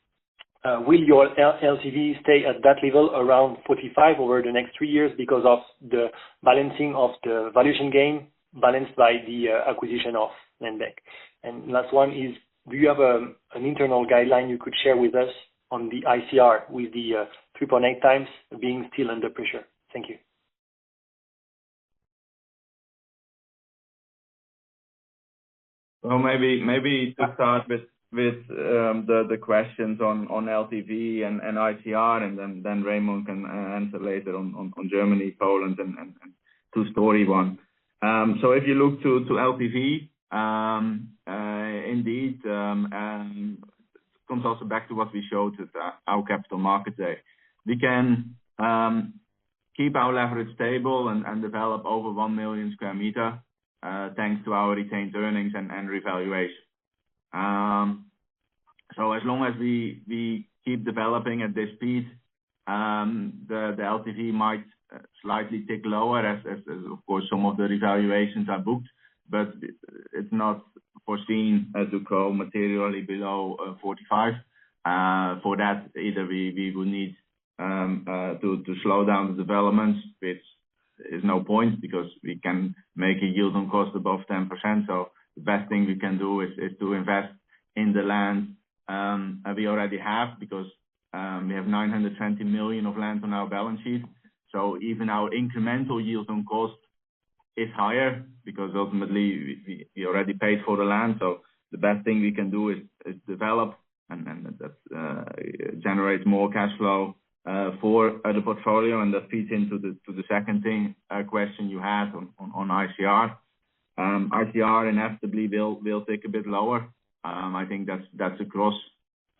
will your LTV stay at that level, around 45, over the next three years because of the balancing of the valuation gain balanced by the acquisition of land bank? And last one is, do you have an internal guideline you could share with us on the ICR with the 3.8 times being still under pressure? Thank you. Well, maybe to start with the questions on LTV and ICR, and then Remon can answer later on Germany, Poland, and two-story one. So if you look to LTV, indeed, it comes also back to what we showed with our capital markets there. We can keep our leverage stable and develop over 1 million square meter thanks to our retained earnings and revaluation. So as long as we keep developing at this speed, the LTV might slightly tick lower as, of course, some of the revaluations are booked. But it's not foreseen as to go materially below 45%. For that, either we will need to slow down the development, which is no point because we can make a yield on cost above 10%. So the best thing we can do is to invest in the land we already have because we have 920 million of land on our balance sheet. Even our incremental yield on cost is higher because ultimately, we already paid for the land. The best thing we can do is develop, and that generates more cash flow for the portfolio. That feeds into the second question you had on ICR. ICR inevitably will tick a bit lower. I think that's across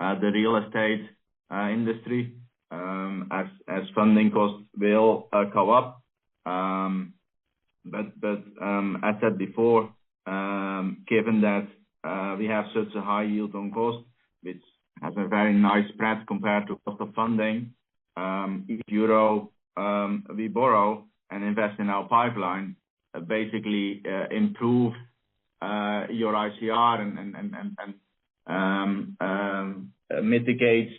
the real estate industry as funding costs will go up. As said before, given that we have such a high yield on cost, which has a very nice spread compared to cost of funding, each euro we borrow and invest in our pipeline basically improves your ICR and mitigates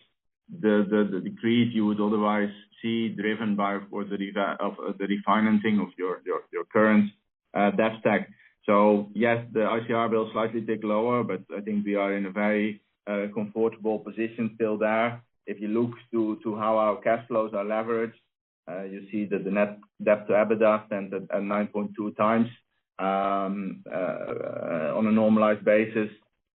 the decrease you would otherwise see driven by, of course, the refinancing of your current debt stack. Yes, the ICR will slightly tick lower. I think we are in a very comfortable position still there. If you look to how our cash flows are leveraged, you see that the net debt to EBITDA stands at 9.2x on a normalized basis,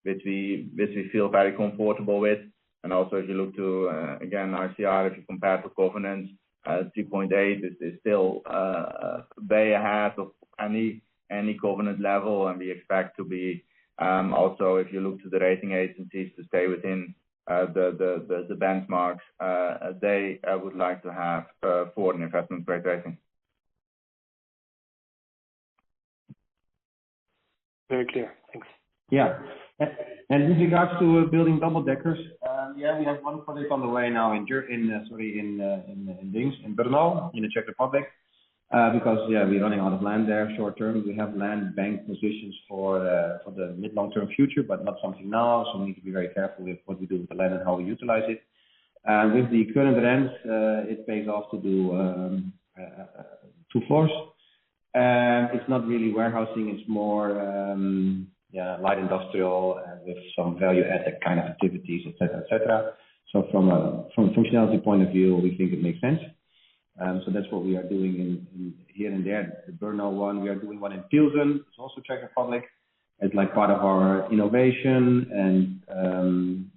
which we feel very comfortable with. And also, if you look to, again, ICR, if you compare to covenants, 3.8x is still way ahead of any covenant level. And we expect to be also, if you look to the rating agencies, to stay within the benchmarks. They would like to have investment grade rating. Very clear. Thanks. Yeah. And in regards to building double-deckers, yeah, we have one project on the way now in, sorry, in Líšeň, in Brno, in the Czech Republic because, yeah, we're running out of land there short term. We have land bank positions for the mid-long-term future but not something now. So we need to be very careful with what we do with the land and how we utilize it. With the current rents, it pays off to do two floors. It's not really warehousing. It's more, yeah, light industrial with some value-added kind of activities, etc., etc. So from a functionality point of view, we think it makes sense. So that's what we are doing here and there. The Brno one, we are doing one in Pilsen. It's also Czech Republic. It's part of our innovation. And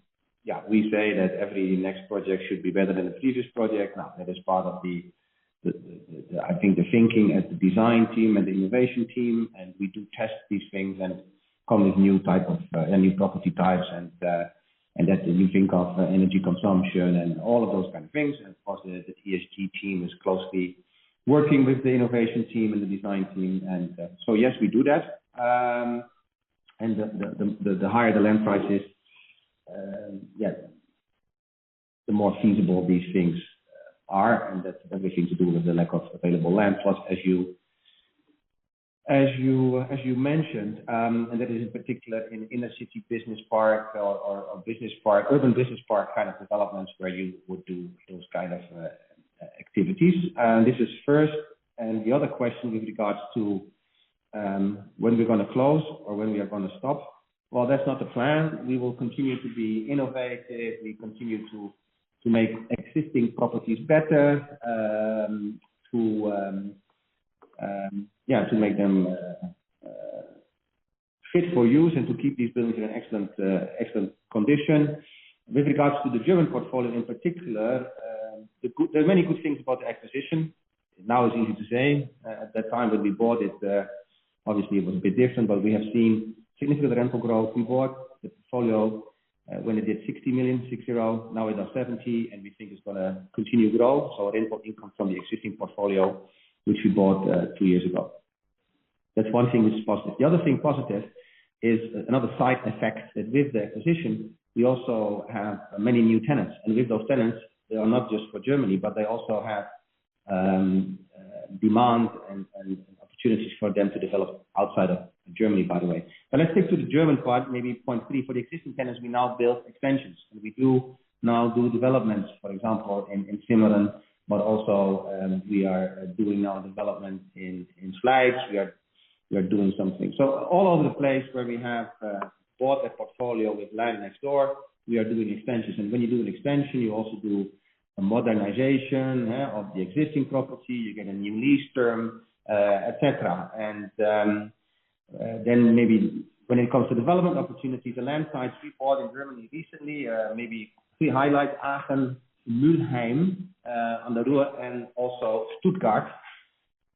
yeah, we say that every next project should be better than the previous project. Now, that is part of, I think, the thinking at the design team and the innovation team. And we do test these things and come with new type of new property types and that you think of energy consumption and all of those kind of things. Of course, the ESG team is closely working with the innovation team and the design team. So yes, we do that. The higher the land price is, yeah, the more feasible these things are. That's everything to do with the lack of available land. Plus, as you mentioned, and that is in particular in inner-city business park or urban business park kind of developments where you would do those kind of activities. This is first. The other question with regards to when we're going to close or when we are going to stop, well, that's not the plan. We will continue to be innovative. We continue to make existing properties better, yeah, to make them fit for use and to keep these buildings in an excellent condition. With regards to the German portfolio in particular, there are many good things about the acquisition. Now is easy to say. At that time, when we bought it, obviously, it was a bit different. But we have seen significant rental growth. We bought the portfolio when it did 60 million. Now it has 70 million. And we think it's going to continue to grow. So rental income from the existing portfolio, which we bought two years ago. That's one thing which is positive. The other thing positive is another side effect that with the acquisition, we also have many new tenants. And with those tenants, they are not just for Germany, but they also have demand and opportunities for them to develop outside of Germany, by the way. But let's stick to the German part, maybe point three. For the existing tenants, we now build extensions. And we do now do developments, for example, in Simmern. But also, we are doing now development in Schliengen. We are doing some things. So all over the place where we have bought a portfolio with land next door, we are doing extensions. And when you do an extension, you also do a modernization of the existing property. You get a new lease term, etc. And then maybe when it comes to development opportunities, the land sites we bought in Germany recently, maybe three highlights: Aachen, Mülheim an der Ruhr, and also Stuttgart.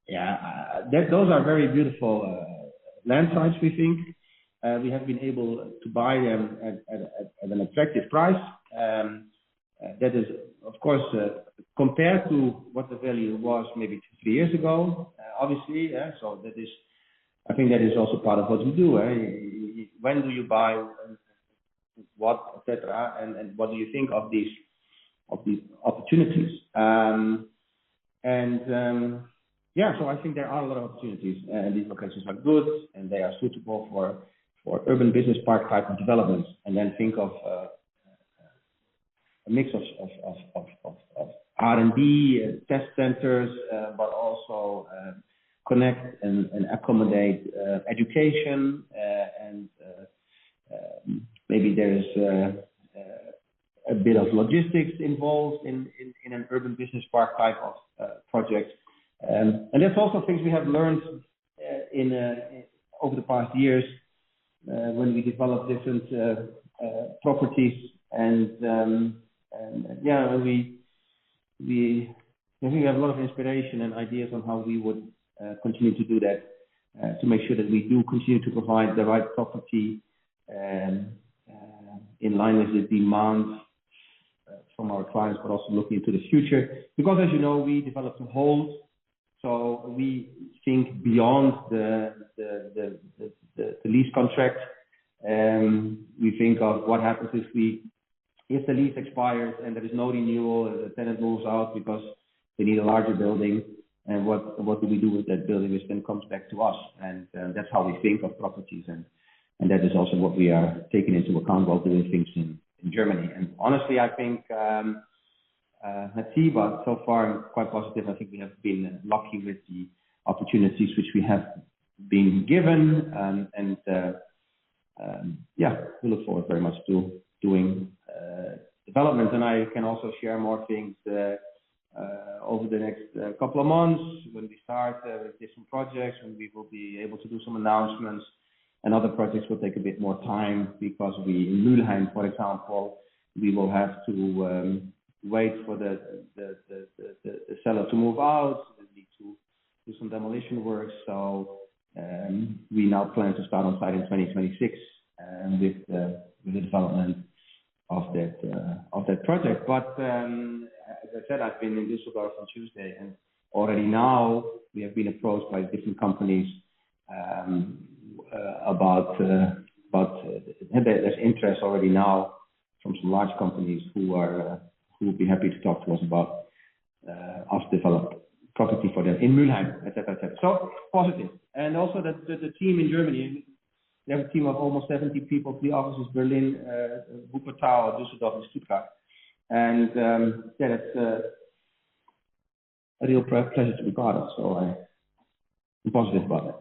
Yeah, those are very beautiful land sites, we think. We have been able to buy them at an attractive price. That is, of course, compared to what the value was maybe three years ago, obviously. So I think that is also part of what we do. When do you buy? What, etc.? And what do you think of these opportunities? And yeah, so I think there are a lot of opportunities. And these locations are good. They are suitable for urban business park type of developments. Then think of a mix of R&D, test centers, but also connect and accommodate education. Maybe there is a bit of logistics involved in an urban business park type of project. That's also things we have learned over the past years when we develop different properties. Yeah, I think we have a lot of inspiration and ideas on how we would continue to do that to make sure that we do continue to provide the right property in line with the demands from our clients but also looking into the future because, as you know, we develop to hold. So we think beyond the lease contract. We think of what happens if the lease expires and there is no renewal and the tenant moves out because they need a larger building. What do we do with that building which then comes back to us? That's how we think of properties. That is also what we are taking into account while doing things in Germany. And honestly, I think let's see. But so far, I'm quite positive. I think we have been lucky with the opportunities which we have been given. Yeah, we look forward very much to doing developments. I can also share more things over the next couple of months when we start with different projects, when we will be able to do some announcements. Other projects will take a bit more time because in Mülheim, for example, we will have to wait for the seller to move out. We need to do some demolition work. So we now plan to start on site in 2026 with the development of that project. But as I said, I've been in Düsseldorf on Tuesday. And already now, we have been approached by different companies about there's interest already now from some large companies who would be happy to talk to us about us developing property for them in Mülheim, etc., etc. So positive. And also, the team in Germany, we have a team of almost 70 people, three offices: Berlin, Wuppertal, Düsseldorf, and Stuttgart. And yeah, that's a real pleasure to be part of. So I'm positive about that. Yeah.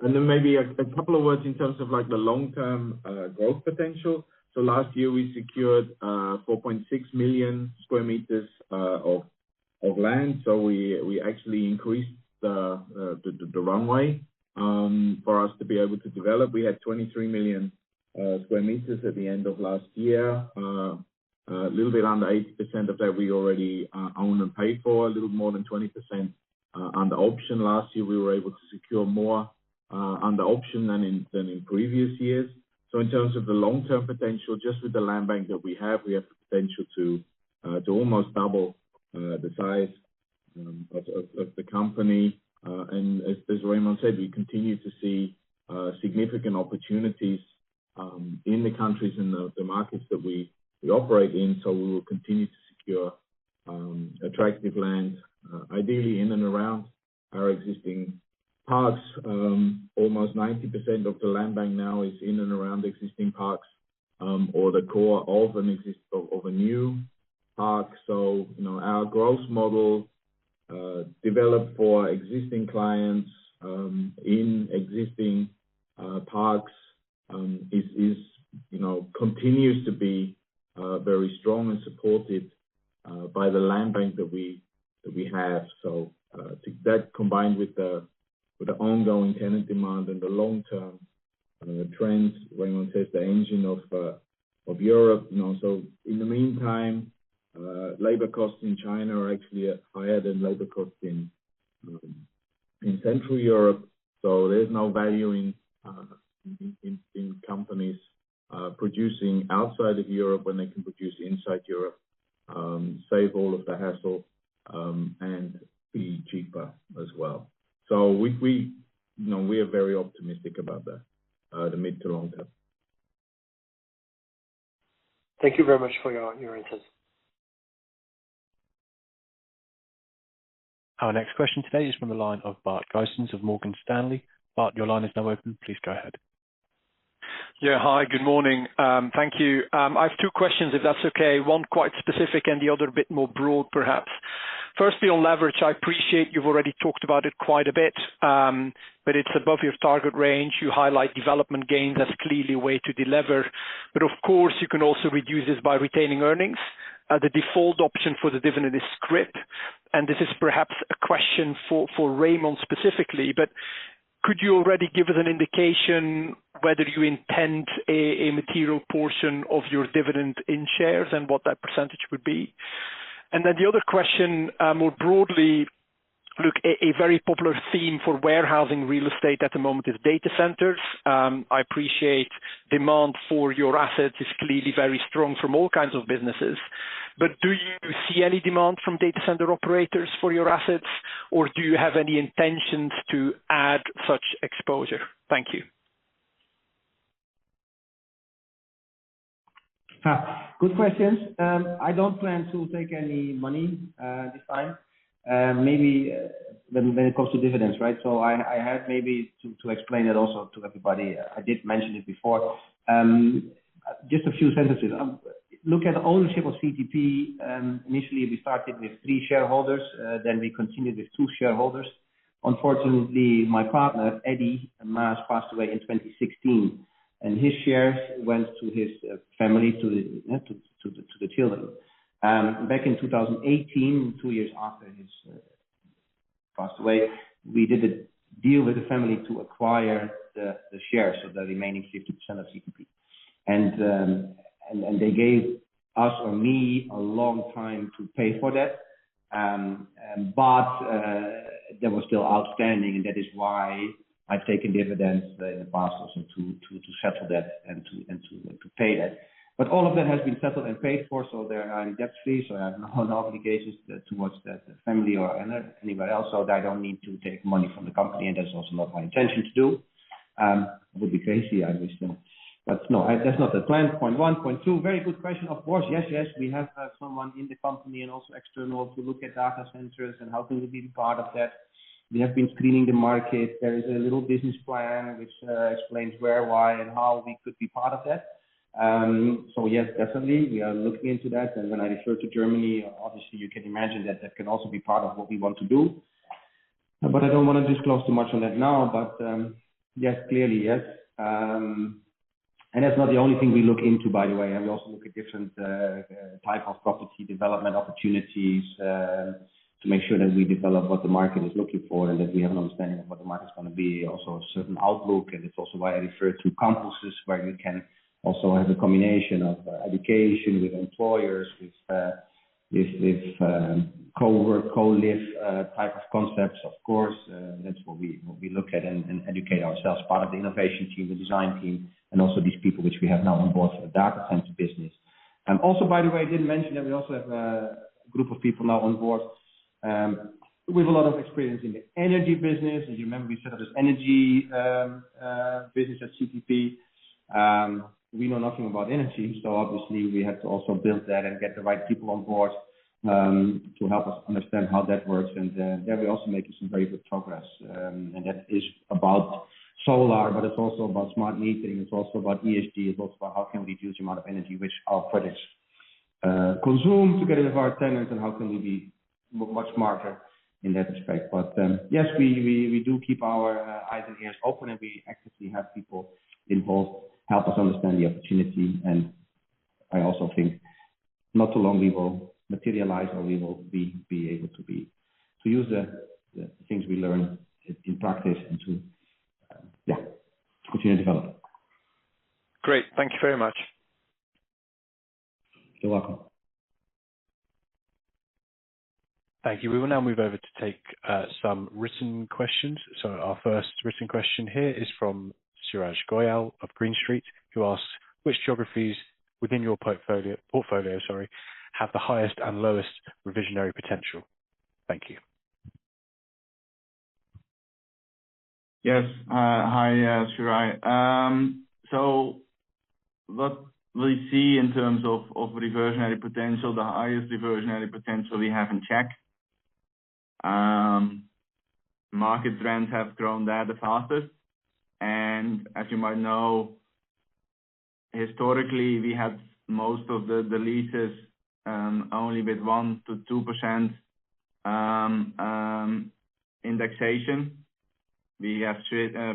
And then maybe a couple of words in terms of the long-term growth potential. So last year, we secured 4.6 million square meters of land. So we actually increased the runway for us to be able to develop. We had 23 million square meters at the end of last year. A little bit under 80% of that, we already own and pay for, a little more than 20% under option. Last year, we were able to secure more under option than in previous years. So in terms of the long-term potential, just with the land bank that we have, we have the potential to almost double the size of the company. And as Remon said, we continue to see significant opportunities in the countries and the markets that we operate in. So we will continue to secure attractive land, ideally in and around our existing parks. Almost 90% of the land bank now is in and around existing parks or the core of a new park. So our growth model developed for existing clients in existing parks continues to be very strong and supported by the land bank that we have. So that combined with the ongoing tenant demand and the long-term trends, Remon says, the engine of Europe. So in the meantime, labor costs in China are actually higher than labor costs in Central Europe. So there's no value in companies producing outside of Europe when they can produce inside Europe, save all of the hassle, and be cheaper as well. So we are very optimistic about that, the mid to long term. Thank you very much for your insights. Our next question today is from the line of Bart Gysens of Morgan Stanley. Bart, your line is now open. Please go ahead. Yeah. Hi. Good morning. Thank you. I have two questions, if that's okay. One quite specific and the other a bit more broad, perhaps. Firstly, on leverage, I appreciate you've already talked about it quite a bit. But it's above your target range. You highlight development gains as clearly a way to deliver. But of course, you can also reduce this by retaining earnings. The default option for the dividend is scrip. This is perhaps a question for Remon specifically. Could you already give us an indication whether you intend a material portion of your dividend in shares and what that percentage would be? The other question, more broadly, look, a very popular theme for warehousing real estate at the moment is data centers. I appreciate demand for your assets is clearly very strong from all kinds of businesses. Do you see any demand from data center operators for your assets? Or do you have any intentions to add such exposure? Thank you. Good questions. I don't plan to take any money this time maybe when it comes to dividends, right? I had maybe to explain that also to everybody. I did mention it before. Just a few sentences. Look at ownership of CTP. Initially, we started with three shareholders. We continued with two shareholders. Unfortunately, my partner, Eddy, passed away in 2016. His shares went to his family, to the children. Back in 2018, two years after he passed away, we did a deal with the family to acquire the shares, so the remaining 50% of CTP. They gave us or me a long time to pay for that. That was still outstanding. That is why I've taken dividends in the past also to settle that and to pay that. All of that has been settled and paid for. There are no debt fees. I have no obligations toward the family or anybody else. So I don't need to take money from the company. And that's also not my intention to do. It would be crazy, I wish. But no, that's not the plan. Point one. Point two, very good question. Of course, yes, yes, we have someone in the company and also external to look at data centers and how can we be part of that. We have been screening the market. There is a little business plan which explains where, why, and how we could be part of that. So yes, definitely, we are looking into that. And when I refer to Germany, obviously, you can imagine that that can also be part of what we want to do. But I don't want to disclose too much on that now. But yes, clearly, yes. And that's not the only thing we look into, by the way. We also look at different type of property development opportunities to make sure that we develop what the market is looking for and that we have an understanding of what the market's going to be, also a certain outlook. And it's also why I refer to campuses where you can also have a combination of education with employers, with cowork, co-live type of concepts, of course. That's what we look at and educate ourselves, part of the innovation team, the design team, and also these people which we have now on board for the data center business. And also, by the way, I didn't mention that we also have a group of people now on board with a lot of experience in the energy business. As you remember, we set up this energy business at CTP. We know nothing about energy. So obviously, we have to also build that and get the right people on board to help us understand how that works. And there we also make some very good progress. And that is about solar. But it's also about smart metering. It's also about ESG. It's also about how can we reduce the amount of energy which our projects consume to get rid of our tenants? And how can we be much smarter in that respect? But yes, we do keep our eyes and ears open. And we actively have people involved to help us understand the opportunity. And I also think not too long, we will materialize, or we will be able to use the things we learn in practice and to, yeah, continue to develop. Great. Thank you very much. You're welcome. Thank you. We will now move over to take some written questions. So our first written question here is from Suraj Gulla of Green Street, who asks, "Which geographies within your portfolio, sorry, have the highest and lowest reversionary potential?" Thank you. Yes. Hi, Suraj. So what we see in terms of reversionary potential, the highest reversionary potential, we have in Czech. Market trends have grown there the fastest. And as you might know, historically, we had most of the leases only with 1%-2% indexation. We have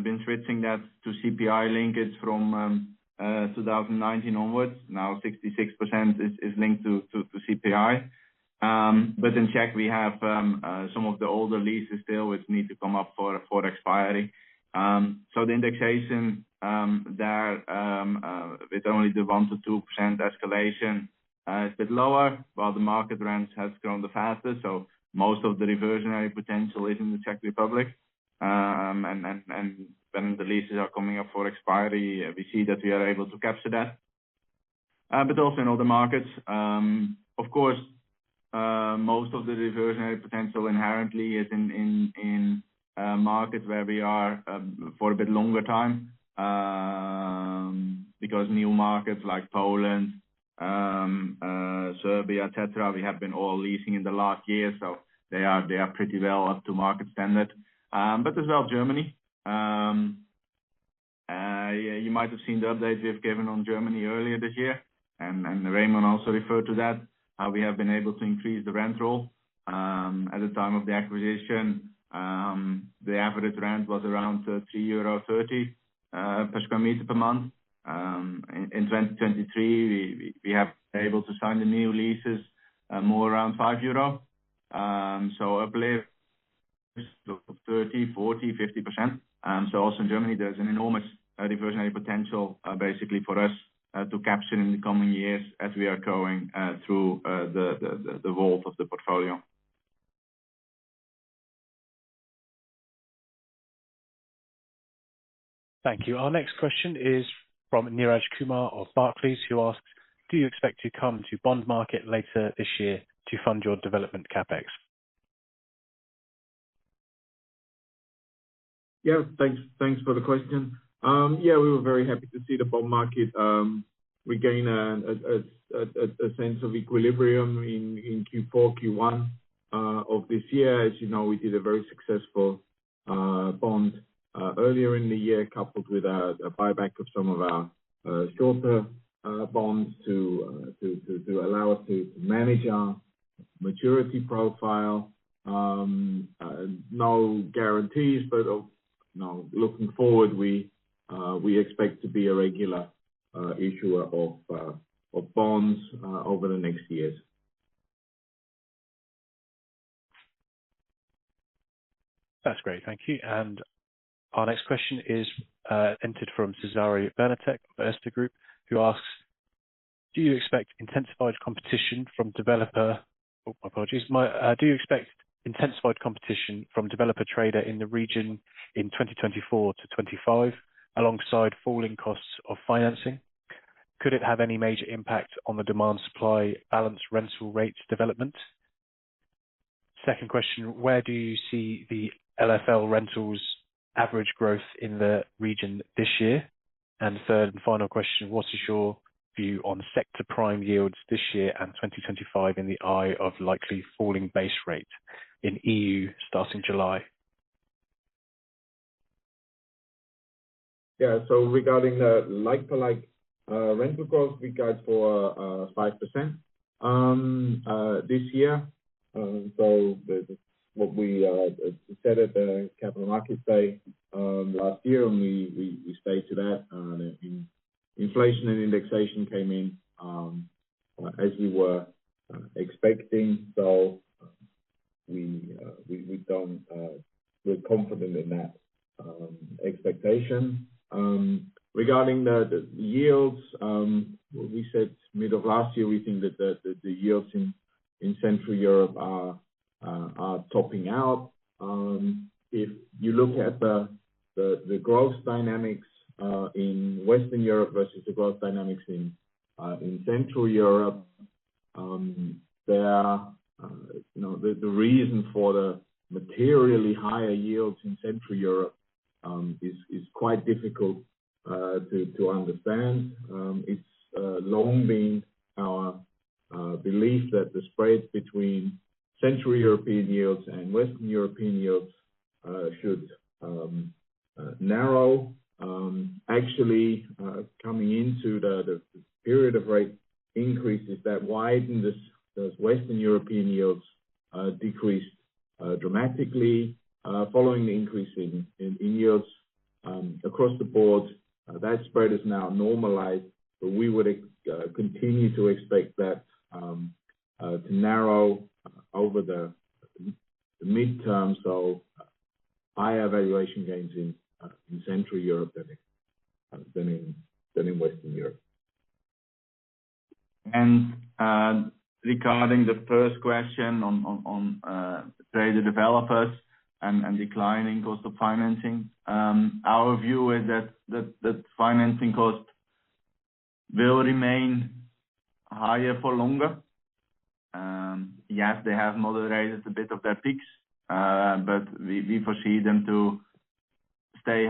been switching that to CPI linkage from 2019 onwards. Now, 66% is linked to CPI. But in Czech, we have some of the older leases still which need to come up for expiry. So the indexation there, with only the 1%-2% escalation, is a bit lower. While the market trends have grown the fastest, so most of the reversionary potential is in the Czech Republic. When the leases are coming up for expiry, we see that we are able to capture that. Also in other markets, of course, most of the revisionary potential inherently is in markets where we are for a bit longer time because new markets like Poland, Serbia, etc., we have been all leasing in the last year. They are pretty well up to market standard. As well, Germany. You might have seen the update we've given on Germany earlier this year. Remon also referred to that, how we have been able to increase the rent roll. At the time of the acquisition, the average rent was around 3.30 euro per square meter per month. In 2023, we have been able to sign the new leases more around 5 euro. Uplift of 30%, 40%, 50%. So also in Germany, there's an enormous reversionary potential, basically, for us to capture in the coming years as we are going through the evolution of the portfolio. Thank you. Our next question is from Niraj Kumar of Barclays, who asks, "Do you expect to come to bond market later this year to fund your development CapEx?" Yeah. Thanks for the question. Yeah, we were very happy to see the bond market regain a sense of equilibrium in Q4, Q1 of this year. As you know, we did a very successful bond earlier in the year coupled with a buyback of some of our shorter bonds to allow us to manage our maturity profile. No guarantees. But looking forward, we expect to be a regular issuer of bonds over the next years. That's great. Thank you. And our next question is entered from Cezary Bernatek of Erste Group, who asks, "Do you expect intensified competition from developer " oh, my apologies. "Do you expect intensified competition from developer trader in the region in 2024 to 2025 alongside falling costs of financing? Could it have any major impact on the demand-supply balance rental rates development?" Second question, "Where do you see the LFL rentals' average growth in the region this year?" And third and final question, "What is your view on sector prime yields this year and 2025 in the eye of likely falling base rate in EU starting July?" Yeah. So regarding the like-for-like rental growth, we guide for 5% this year. So it's what we said at the Capital Markets Day last year. And we stuck to that. Inflation and indexation came in as we were expecting. So we're confident in that expectation. Regarding the yields, we said mid of last year, we think that the yields in Central Europe are topping out. If you look at the growth dynamics in Western Europe versus the growth dynamics in Central Europe, the reason for the materially higher yields in Central Europe is quite difficult to understand. It's long been our belief that the spread between Central European yields and Western European yields should narrow. Actually, coming into the period of rate increases that widen, those Western European yields decreased dramatically. Following the increase in yields across the board, that spread is now normalized. But we would continue to expect that to narrow over the mid-term, so higher valuation gains in Central Europe than in Western Europe. And regarding the first question on trader developers and declining cost of financing, our view is that financing cost will remain higher for longer. Yes, they have moderated a bit of their peaks. But we foresee them to stay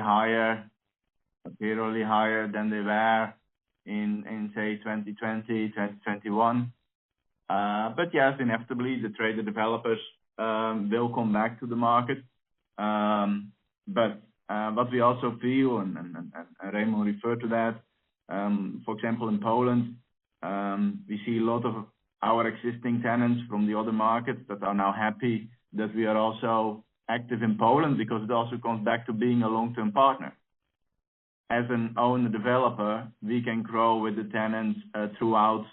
materially higher than they were in, say, 2020, 2021. But yes, inevitably, the trader developers will come back to the market. But what we also feel, and Remon referred to that, for example, in Poland, we see a lot of our existing tenants from the other markets that are now happy that we are also active in Poland because it also comes back to being a long-term partner. As an owner developer, we can grow with the tenants throughout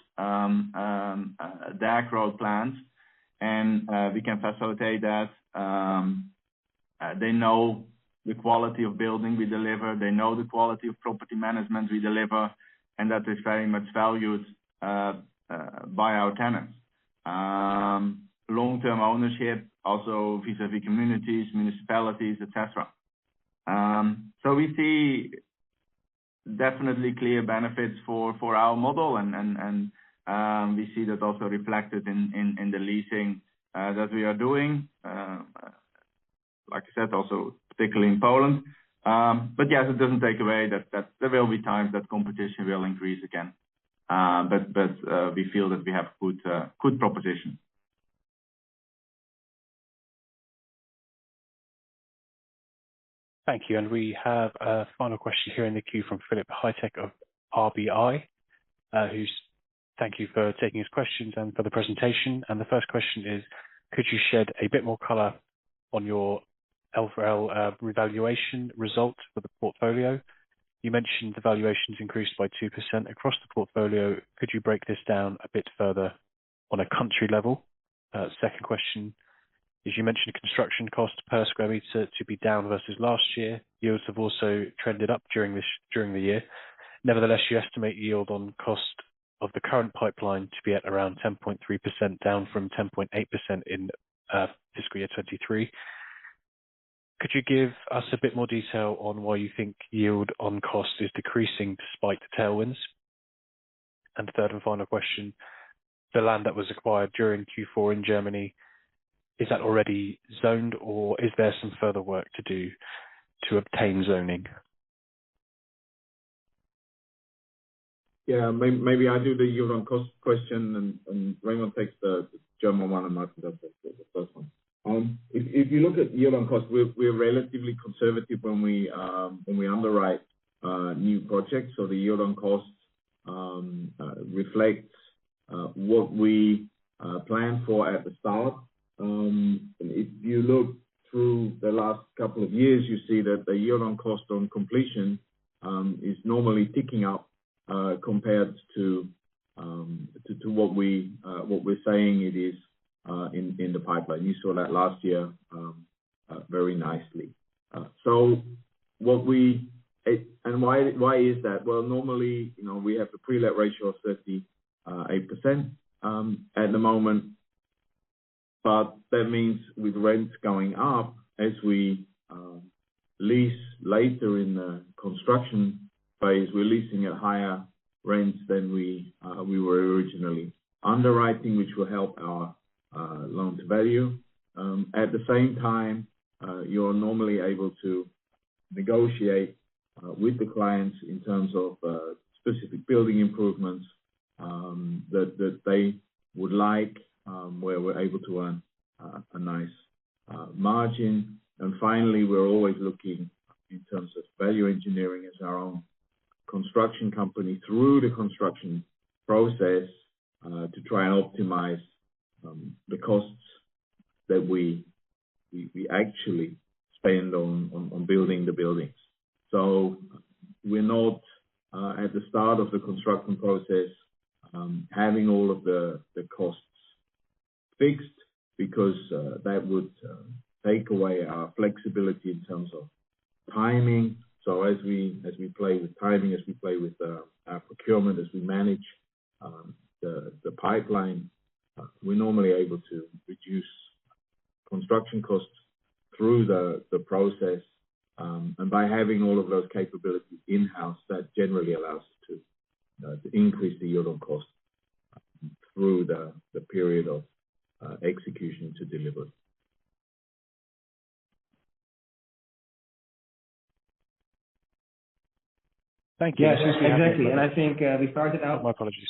their growth plans. And we can facilitate that. They know the quality of building we deliver. They know the quality of property management we deliver. And that is very much valued by our tenants, long-term ownership, also vis-à-vis communities, municipalities, etc. So we see definitely clear benefits for our model. And we see that also reflected in the leasing that we are doing, like I said, also particularly in Poland. But yes, it doesn't take away that there will be times that competition will increase again. But we feel that we have good proposition. Thank you. And we have a final question here in the queue from Philipp Hadeck of RBI, who's thank you for taking his questions and for the presentation. And the first question is, "Could you shed a bit more color on your LFL revaluation result for the portfolio? You mentioned the valuations increased by 2% across the portfolio. Could you break this down a bit further on a country level?" Second question is, "You mentioned construction cost per square meter to be down versus last year. Yields have also trended up during the year. Nevertheless, you estimate yield on cost of the current pipeline to be at around 10.3% down from 10.8% in fiscal year 2023. Could you give us a bit more detail on why you think yield on cost is decreasing despite the tailwinds? And third and final question, "The land that was acquired during Q4 in Germany, is that already zoned? Or is there some further work to do to obtain zoning?" Yeah. Maybe I do the yield on cost question. And Remon takes the German one and Maarten does the first one. If you look at yield on cost, we're relatively conservative when we underwrite new projects. So the yield on cost reflects what we planned for at the start. If you look through the last couple of years, you see that the yield on cost on completion is normally ticking up compared to what we're saying it is in the pipeline. You saw that last year very nicely. So what and why is that? Well, normally, we have a pre-let ratio of 38% at the moment. That means with rents going up, as we lease later in the construction phase, we're leasing at higher rents than we were originally underwriting, which will help our loan to value. At the same time, you are normally able to negotiate with the clients in terms of specific building improvements that they would like, where we're able to earn a nice margin. Finally, we're always looking in terms of value engineering as our own construction company through the construction process to try and optimize the costs that we actually spend on building the buildings. So we're not, at the start of the construction process, having all of the costs fixed because that would take away our flexibility in terms of timing. So as we play with timing, as we play with our procurement, as we manage the pipeline, we're normally able to reduce construction costs through the process. And by having all of those capabilities in-house, that generally allows us to increase the yield on cost through the period of execution to deliver. Thank you. Yes. Exactly. And I think we started out oh, my apologies.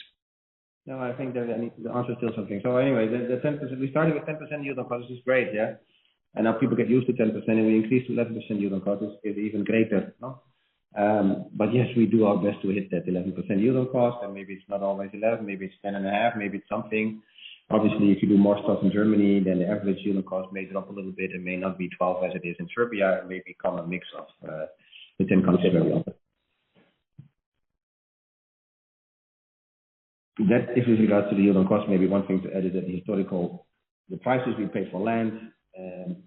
No, I think the answer is still something. So anyway, we started with 10% yield on cost. This is great, yeah? Now people get used to 10%. We increased to 11% yield on cost. It's even greater, no? But yes, we do our best to hit that 11% yield on cost. Maybe it's not always 11. Maybe it's 10.5. Maybe it's something. Obviously, if you do more stuff in Germany, then the average yield on cost may drop a little bit. It may not be 12% as it is in Serbia. It may become a mix of the 10 countries very often. In regards to the yield on cost, maybe one thing to add is that the prices we pay for land in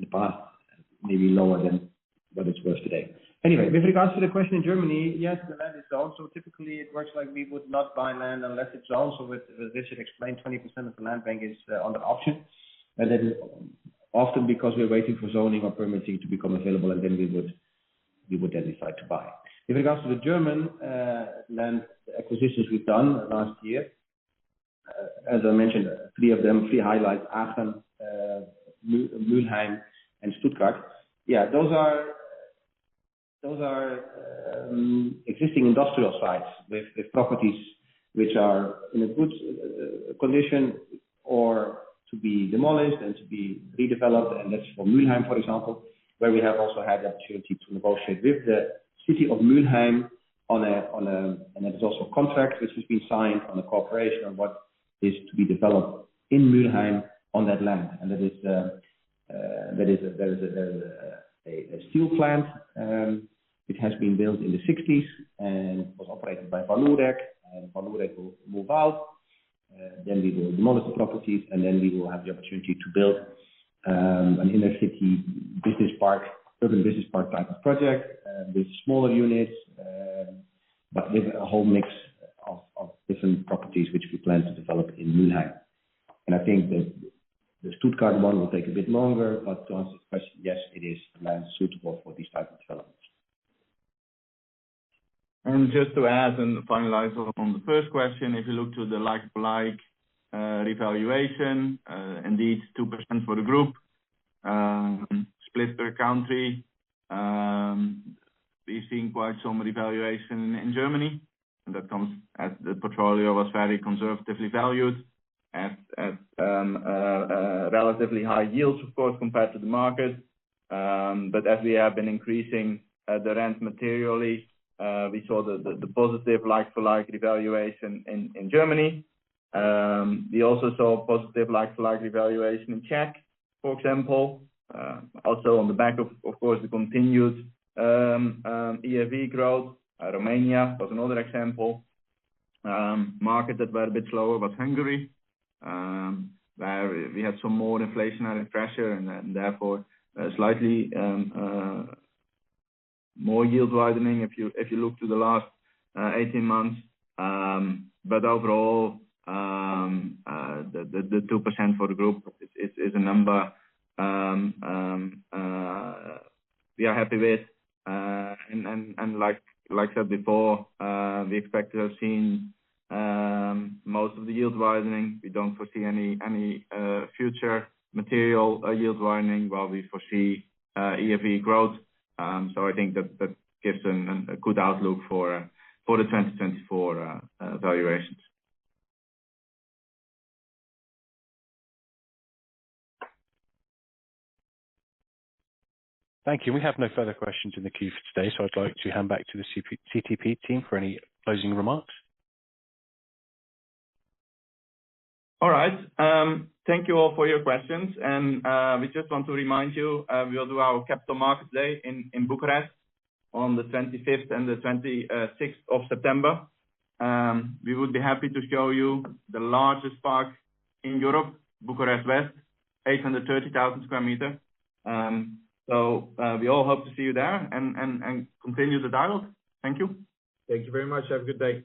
the past may be lower than what it's worth today. Anyway, with regards to the question in Germany, yes, the land is zoned. So typically, it works like we would not buy land unless it's zoned. So as Richard explained, 20% of the land bank is under option. That is often because we're waiting for zoning or permitting to become available. Then we would then decide to buy. With regards to the German land acquisitions we've done last year, as I mentioned, three of them, three highlights, Aachen, Mülheim, and Stuttgart, yeah, those are existing industrial sites with properties which are in a good condition or to be demolished and to be redeveloped. That's for Mülheim, for example, where we have also had the opportunity to negotiate with the city of Mülheim on a, and that is also a contract which has been signed on a cooperation on what is to be developed in Mülheim on that land. That is, there is a steel plant which has been built in the '60s and was operated by Vallourec. And Vallourec will move out. Then we will demolish the properties. And then we will have the opportunity to build an inner-city business park, urban business park type of project with smaller units but with a whole mix of different properties which we plan to develop in Mülheim. And I think that the Stuttgart one will take a bit longer. But to answer the question, yes, it is land suitable for these type of developments. And just to add and finalize on the first question, if you look to the like-for-like revaluation, indeed, 2% for the group, split per country, we've seen quite some revaluation in Germany. And that comes as the portfolio was very conservatively valued at relatively high yields, of course, compared to the market. But as we have been increasing the rents materially, we saw the positive like-for-like revaluation in Germany. We also saw positive like-for-like revaluation in Czech, for example, also on the back of, of course, the continued ERV growth. Romania was another example. Markets that were a bit slower was Hungary, where we had some more inflationary pressure and therefore slightly more yield widening if you look to the last 18 months. But overall, the 2% for the group is a number we are happy with. And like I said before, we expect to have seen most of the yield widening. We don't foresee any future material yield widening while we foresee ERV growth. So I think that gives a good outlook for the 2024 valuations. Thank you. We have no further questions in the queue for today. So I'd like to hand back to the CTP team for any closing remarks. All right. Thank you all for your questions. We just want to remind you, we'll do our Capital Markets Day in Bucharest on the 25th and the 26th of September. We would be happy to show you the largest park in Europe, Bucharest West, 830,000 square meters. So we all hope to see you there and continue the dialogue. Thank you. Thank you very much. Have a good day.